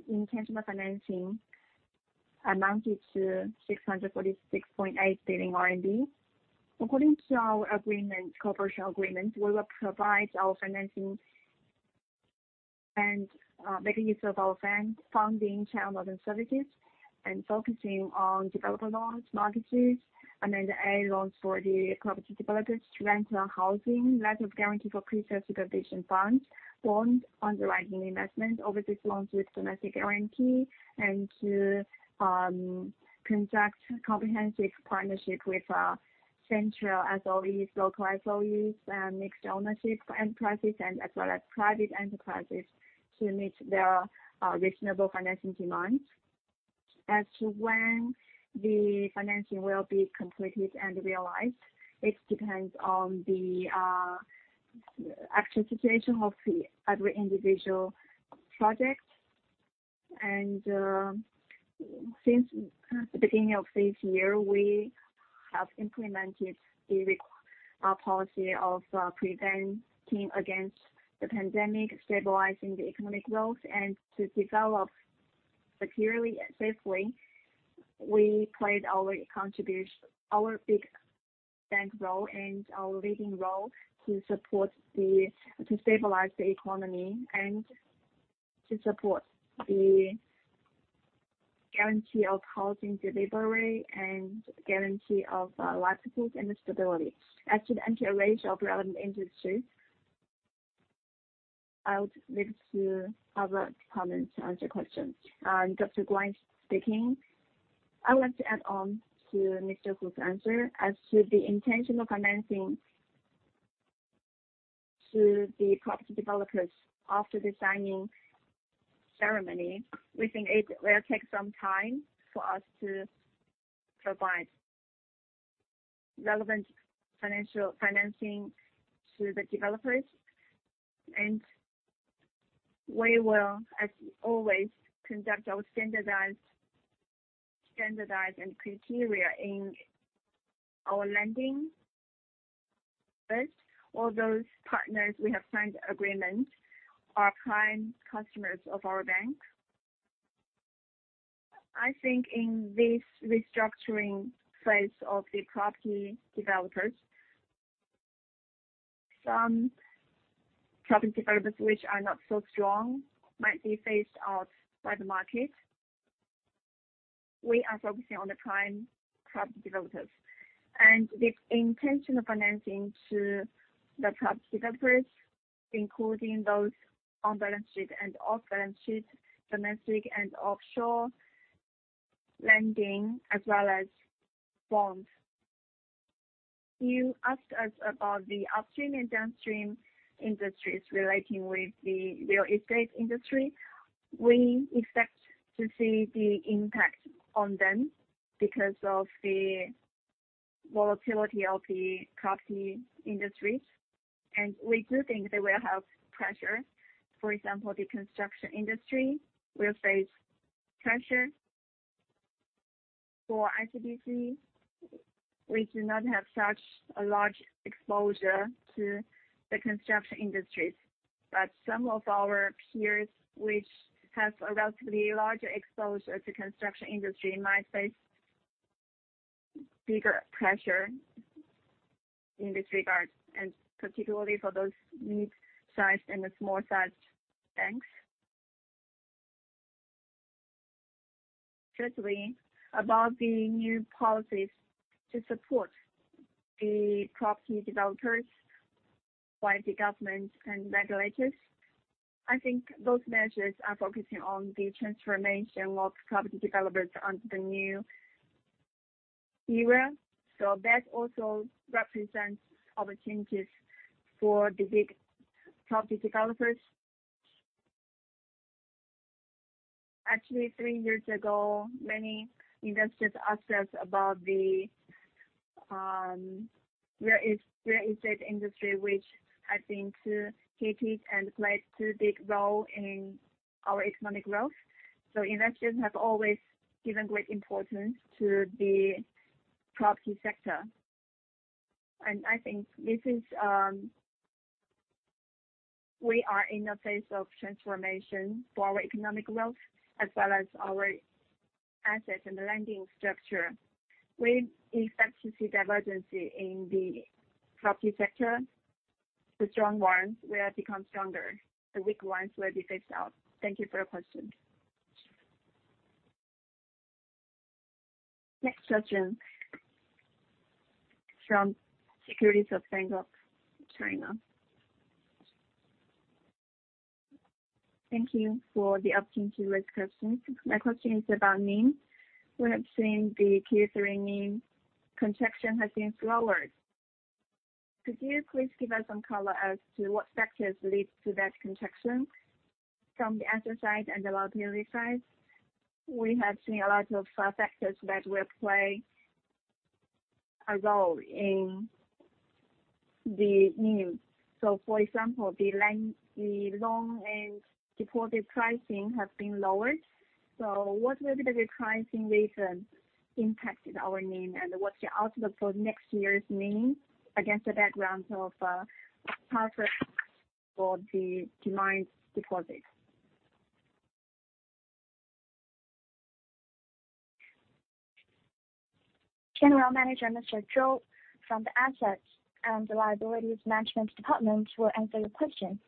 intention of financing amounted to 646.8 billion RMB. According to our agreement, cooperation agreement, we will provide our financing and making use of our fund, funding channel and services and focusing on developer loans, mortgages, and then the A loans for the property developers to rent their housing, letter of guarantee for pre-sale supervision funds, bond underwriting investment, overseas loans with domestic guarantee, and to conduct comprehensive partnership with central SOEs, local SOEs, mixed ownership enterprises and as well as private enterprises to meet their reasonable financing demands. As to when the financing will be completed and realized, it depends on the actual situation of every individual project. Since the beginning of this year, we have implemented the policy of preventing against the pandemic, stabilizing the economic growth and to develop securely and safely. We played our contribution, our big bank role and our leading role to stabilize the economy and to support the guarantee of housing delivery and guarantee of livelihood and stability. As to the NPL ratio of relevant industry, I would leave to other department to answer questions. Dr. Guan speaking. I want to add on to Mr. Hu's answer. As to the intentional financing to the property developers, after the signing ceremony, we think it will take some time for us to provide. Relevant financial financing to the developers. We will, as always, conduct our standardized and criteria in our lending. First, all those partners we have signed agreement are prime customers of our bank. I think in this restructuring phase of the property developers, some property developers which are not so strong might be phased out by the market. We are focusing on the prime property developers and the intention of financing to the property developers, including those on-balance sheet and off-balance sheet, domestic and offshore lending, as well as bonds. You asked us about the upstream and downstream industries relating with the real estate industry. We expect to see the impact on them because of the volatility of the property industries. We do think they will have pressure. For example, the construction industry will face pressure. For ICBC, we do not have such a large exposure to the construction industries. Some of our peers, which have a relatively larger exposure to construction industry, might face bigger pressure in this regard, and particularly for those mid-sized and the small-sized banks. Thirdly, about the new policies to support the property developers by the government and regulators. I think those measures are focusing on the transformation of property developers under the new era. That also represents opportunities for the big property developers. Actually, 3 years ago, many investors asked us about the real estate industry, which has been too heated and played too big role in our economic growth. Investors have always given great importance to the property sector. I think this is. We are in a phase of transformation for our economic growth as well as our asset and lending structure. We expect to see divergency in the property sector. The strong ones will become stronger. The weak ones will be phased out. Thank you for your question. Next question from Securities of Bank of China. Thank you for the opportunity to ask questions. My question is about NIM. We have seen the Q3 NIM contraction has been slower. Could you please give us some color as to what factors lead to that contraction from the asset side and the liability side? We have seen a lot of factors that will play a role in the NIM. For example, the loan and deposit pricing have been lowered. What will be the pricing reason impacted our NIM, and what's your outlook for next year's NIM against the background of tougher for the demand deposits? General Manager Mr. Zhou, from the Assets and Liabilities Management Department will answer your question.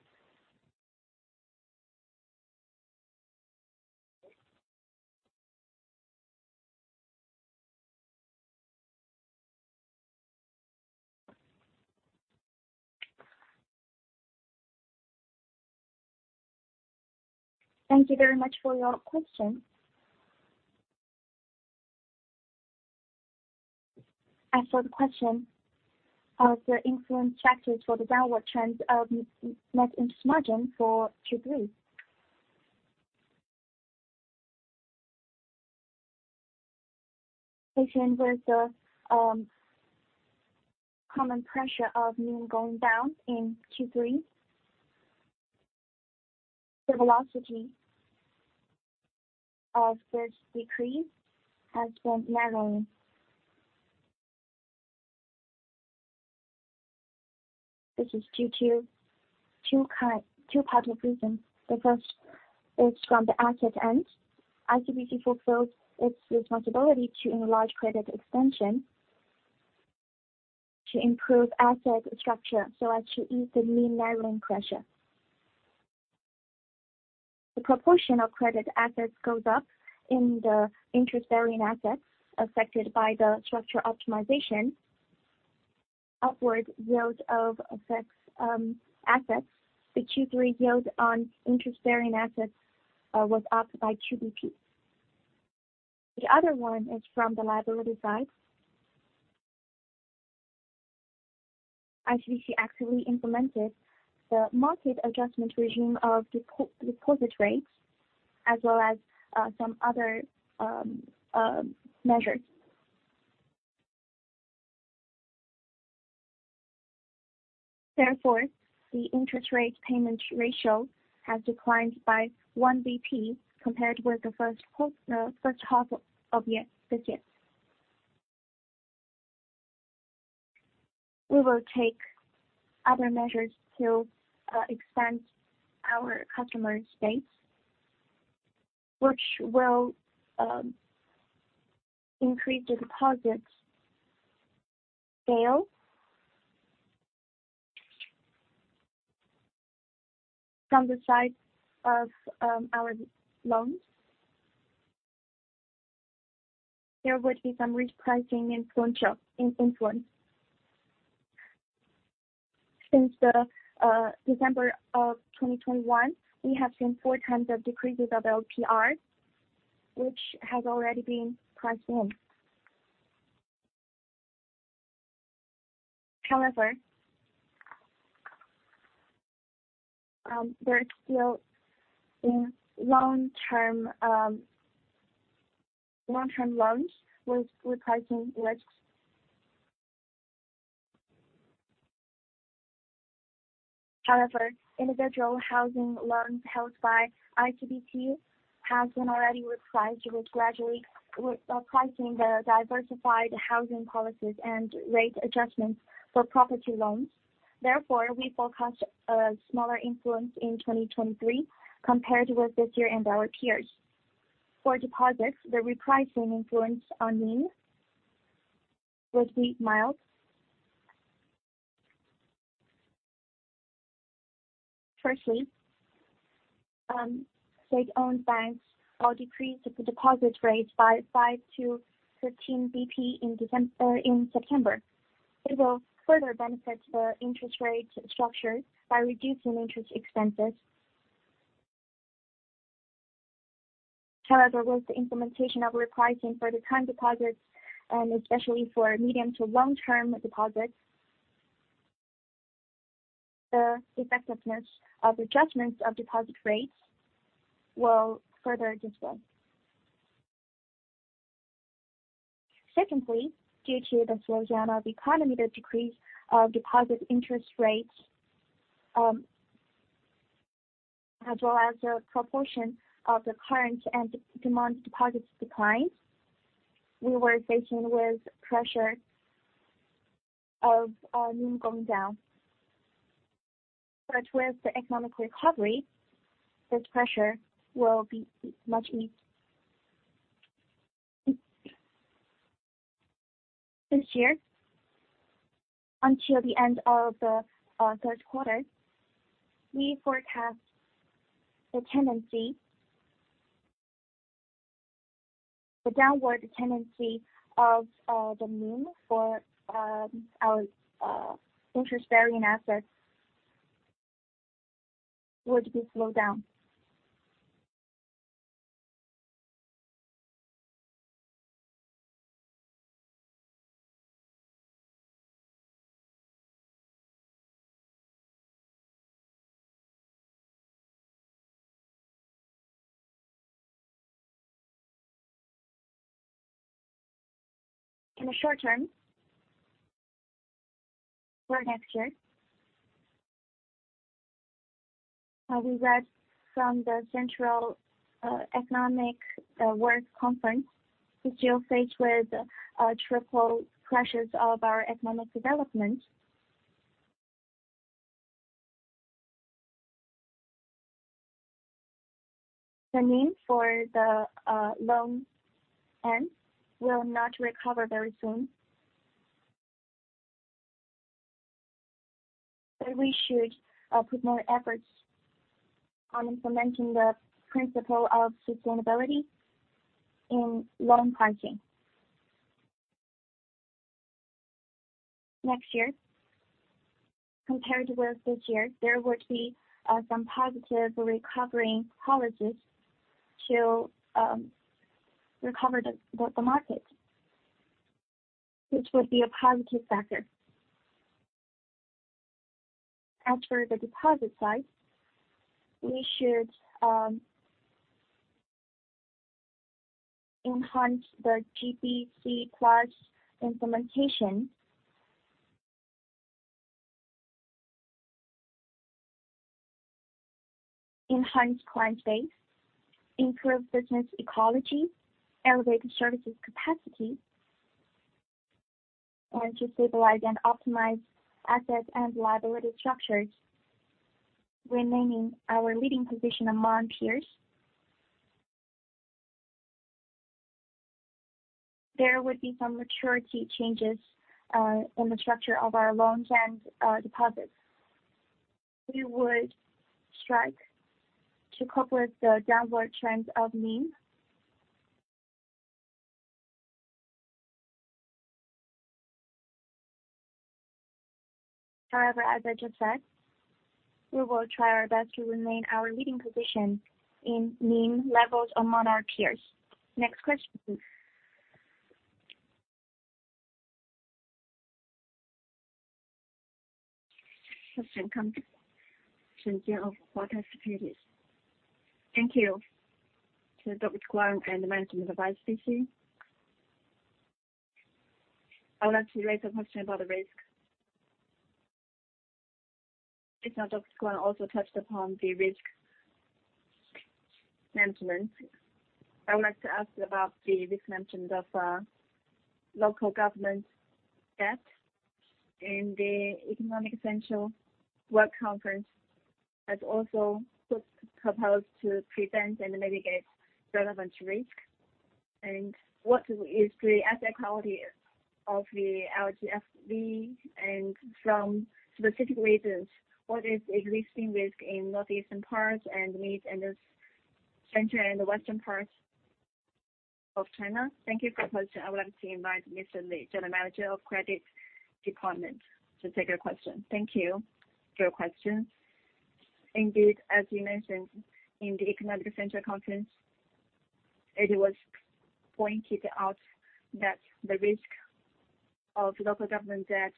Thank you very much for your question. As for the question of your influence factors for the downward trends of net interest margin for Q3. In relation with the common pressure of NIM going down in Q3, the velocity of this decrease has been narrowing. This is due to two types of reasons. The first is from the asset end. ICBC fulfills its responsibility to enlarge credit expansion to improve asset structure so as to ease the NIM narrowing pressure. The proportion of credit assets goes up in the interest-bearing assets affected by the structure optimization upward yield of affects assets. The Q3 yield on interest-bearing assets was up by two BP. The other one is from the liability side. ICBC actively implemented the market adjustment regime of depo-deposit rates, as well as some other measures. Therefore, the interest rate payment ratio has declined by 1 BP compared with the first half of this year. We will take other measures to expand our customer base, which will increase the deposits sales. From the side of our loans, there would be some repricing influence. Since December of 2021, we have seen 4 times of decreases of LPRs, which has already been priced in. However, there are still in long-term loans with repricing risks. However, individual housing loans held by ICBC has been already repriced. We are pricing the diversified housing policies and rate adjustments for property loans. Therefore, we forecast a smaller influence in 2023 compared with this year and our peers. For deposits, the repricing influence on NIM would be mild. Firstly, state-owned banks all decreased the deposit rates by 5 to 13 BP in September. It will further benefit the interest rate structure by reducing interest expenses. With the implementation of repricing for the time deposits, and especially for medium to long-term deposits, the effectiveness of adjustments of deposit rates will further dissolve. Secondly, due to the slowdown of economy, the decrease of deposit interest rates, as well as the proportion of the current and demand deposits declined. We were facing with pressure of our NIM going down. With the economic recovery, this pressure will be much eased. This year, until the end of the third quarter, we forecast the downward tendency of the NIM for our interest-bearing assets would be slowed down. In the short term or next year, we read from the Central Economic Work Conference, we still face with triple pressures of our economic development. The NIM for the loans end will not recover very soon. We should put more efforts on implementing the principle of sustainability in loan pricing. Next year, compared with this year, there would be some positive recovering policies to recover the market, which would be a positive factor. As for the deposit side, we should enhance the GPC compliance implementation. Enhance client base, improve business ecology, elevate services capacity, and to stabilize and optimize assets and liability structures, remaining our leading position among peers. There would be some maturity changes in the structure of our loans and deposits. We would strike to cope with the downward trends of NIM. However, as I just said. We will try our best to remain our leading position in NIM levels among our peers. Next question, please. Thank you to Dr. Guan and management of ICBC. I would like to raise a question about the risk. If now Dr. Guan also touched upon the risk management, I would like to ask about the risk management of local government debt in the Central Economic Work Conference, has also put proposed to prevent and mitigate relevant risk. What is the asset quality of the LGFV? From specific regions, what is existing risk in northeastern parts and mid and central and western parts of China? Thank you for the question. I would like to invite Mr. Li, General Manager of Credit Department, to take your question. Thank you for your question. Indeed, as you mentioned in the Central Economic Work Conference, it was pointed out that the risk of local government debt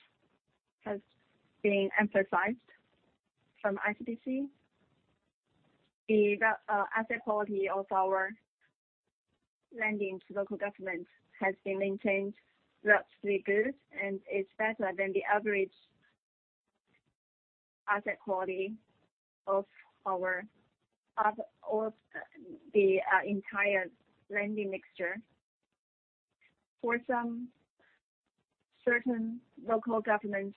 has been emphasized from ICBC. The asset quality of our lending to local government has been maintained relatively good, and it's better than the average asset quality of the entire lending mixture. For some certain local government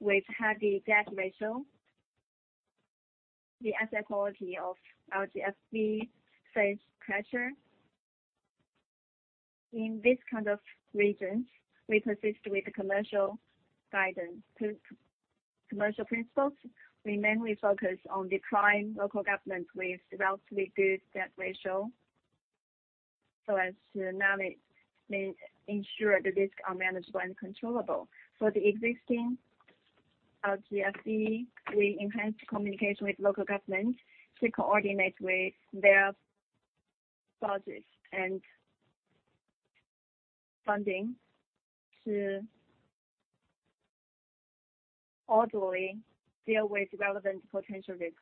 with heavy debt ratio, the asset quality of LGFV face pressure. In this kind of regions, we persist with commercial principles. We mainly focus on declining local government with relatively good debt ratio, so as to now ensure the risks are manageable and controllable. For the existing LGFV, we enhance communication with local government to coordinate with their budgets and funding to orderly deal with relevant potential risks.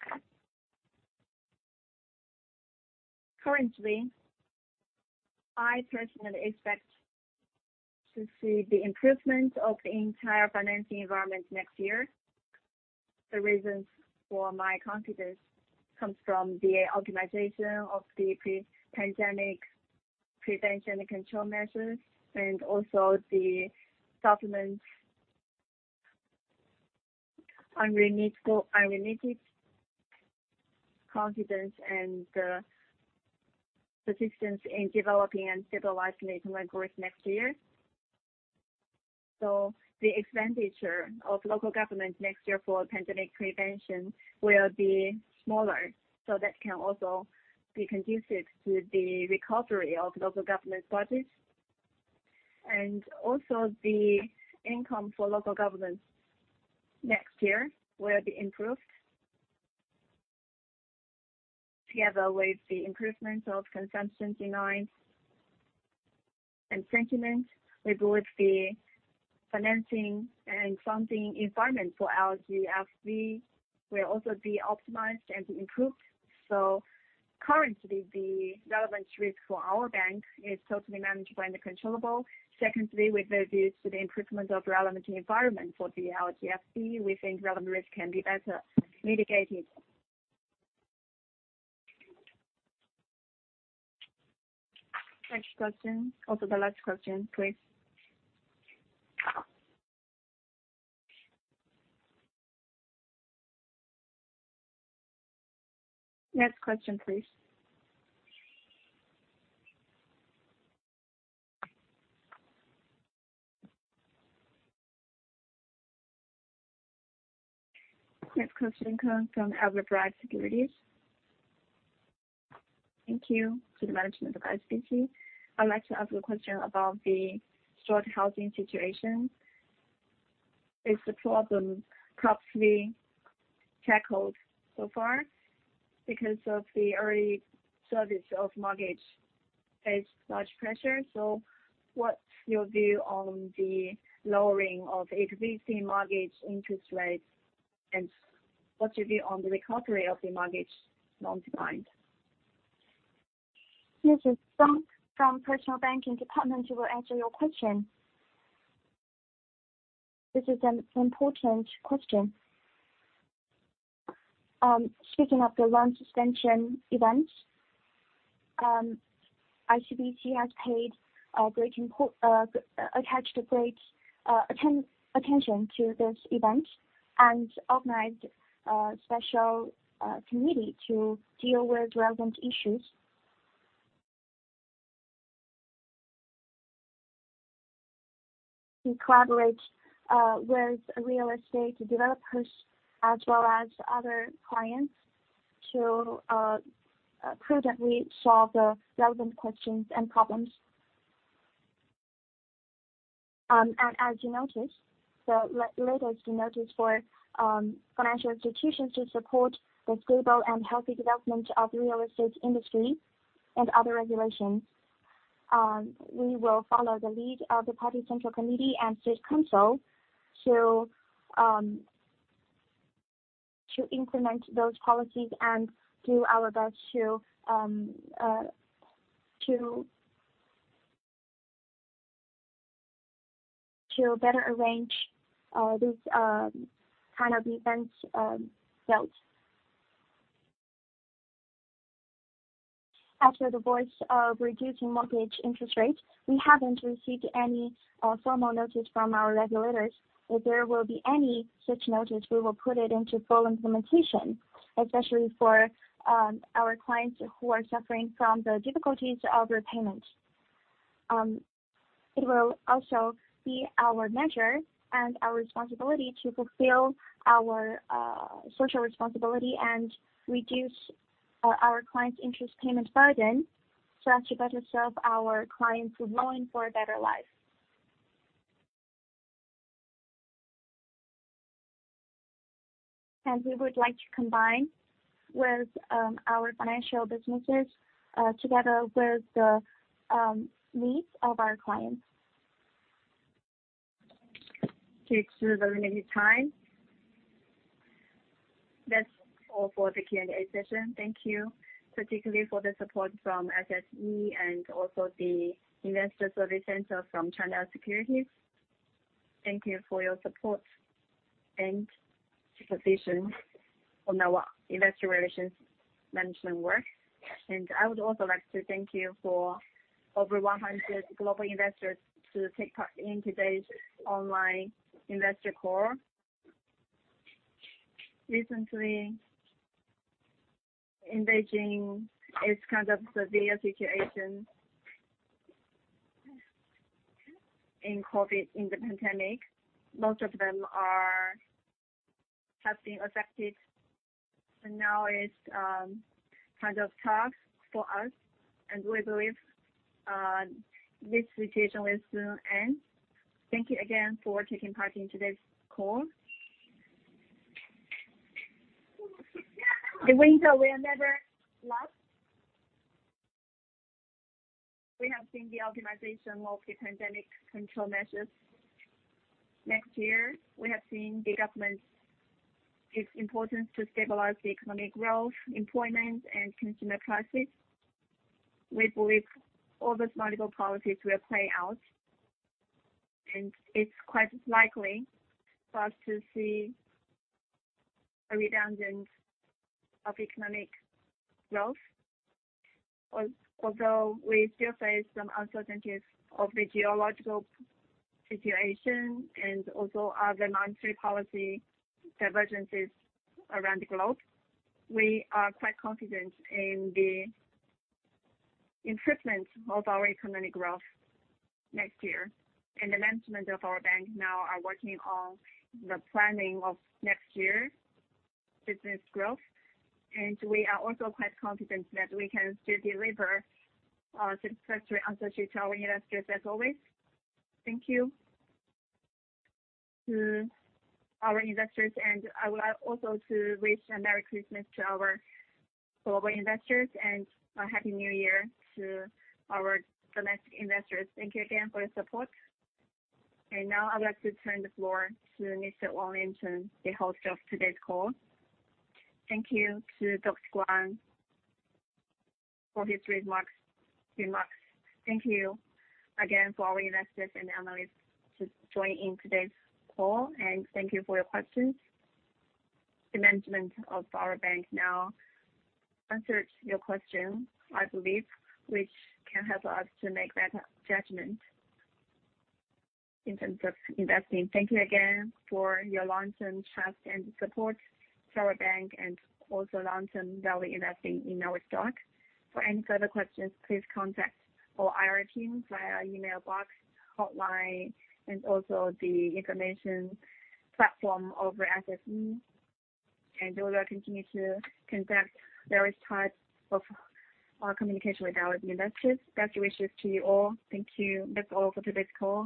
Currently, I personally expect to see the improvement of the entire financing environment next year. The reasons for my confidence comes from the optimization of the pre-pandemic prevention and control measures, and also the government's unremitted confidence and persistence in developing and stabilizing economic growth next year. The expenditure of local government next year for pandemic prevention will be smaller, so that can also be conducive to the recovery of local government budget. Also the income for local government next year will be improved. Together with the improvement of consumption demand and sentiment, we believe the financing and funding environment for LGFV will also be optimized and improved. Currently, the relevant risk for our bank is totally manageable and controllable. Secondly, with regards to the improvement of relevant environment for the LGFV, we think relevant risk can be better mitigated. Next question. Also the last question, please. Next question, please. Next question comes from Bright Smart Securities. Thank you to the management of ICBC. I'd like to ask you a question about the short housing situation. Is the problem properly tackled so far? Because of the early service of mortgage faced large pressure, so what's your view on the lowering of HSBC mortgage interest rates, and what's your view on the recovery of the mortgage long term? This is Zhang from Personal Banking Department who will answer your question. This is an important question. Speaking of the loan suspension events, ICBC has attached great attention to this event and organized a special committee to deal with relevant issues. We collaborate with real estate developers as well as other clients to prudently solve the relevant questions and problems. As you notice, the latest notice for financial institutions to support the stable and healthy development of real estate industry and other regulations, we will follow the lead of the Party Central Committee and State Council to implement those policies and do our best to better arrange these kind of events, notes. After the voice of reducing mortgage interest rates, we haven't received any formal notice from our regulators. If there will be any such notice, we will put it into full implementation, especially for our clients who are suffering from the difficulties of repayment. It will also be our measure and our responsibility to fulfill our social responsibility and reduce our clients' interest payment burden so as to better serve our clients' loan for a better life. We would like to combine with our financial businesses, together with the needs of our clients. Due to the limited time, that's all for the Q&A session. Thank you, particularly for the support from SSE and also the Investor Services Center from China Securities. Thank you for your support and supervision on our investor relations management work. I would also like to thank you for over 100 global investors to take part in today's online investor call. Recently, in Beijing, it's kind of severe situation in COVID, in the pandemic. Most of them have been affected and now it's kind of tough for us and we believe this situation will soon end. Thank you again for taking part in today's call. The winter will never last. We have seen the optimization of the pandemic control measures. Next year, we have seen the government's importance to stabilize the economic growth, employment and consumer prices. We believe all those multiple policies will play out, it's quite likely for us to see a redundant of economic growth. Although we still face some uncertainties of the geological situation and also other monetary policy divergences around the globe, we are quite confident in the improvement of our economic growth next year. The management of our bank now are working on the planning of next year's business growth. We are also quite confident that we can still deliver our satisfactory answers to our investors as always. Thank you to our investors, I would like also to wish a merry Christmas to our global investors and a happy New Year to our domestic investors. Thank you again for your support. Now I'd like to turn the floor to Mr. Wang Lin Chun, the host of today's call. Thank you to Dr. Guan for his remarks. Thank you again for all investors and analysts to join in today's call, and thank you for your questions. The management of our bank now answered your question, I believe, which can help us to make better judgment in terms of investing. Thank you again for your long-term trust and support to our bank and also long-term value investing in our stock. For any further questions, please contact our IR team via email box, hotline, and also the information platform over SSE. We will continue to conduct various types of communication with our investors. Best wishes to you all. Thank you. That's all for today's call.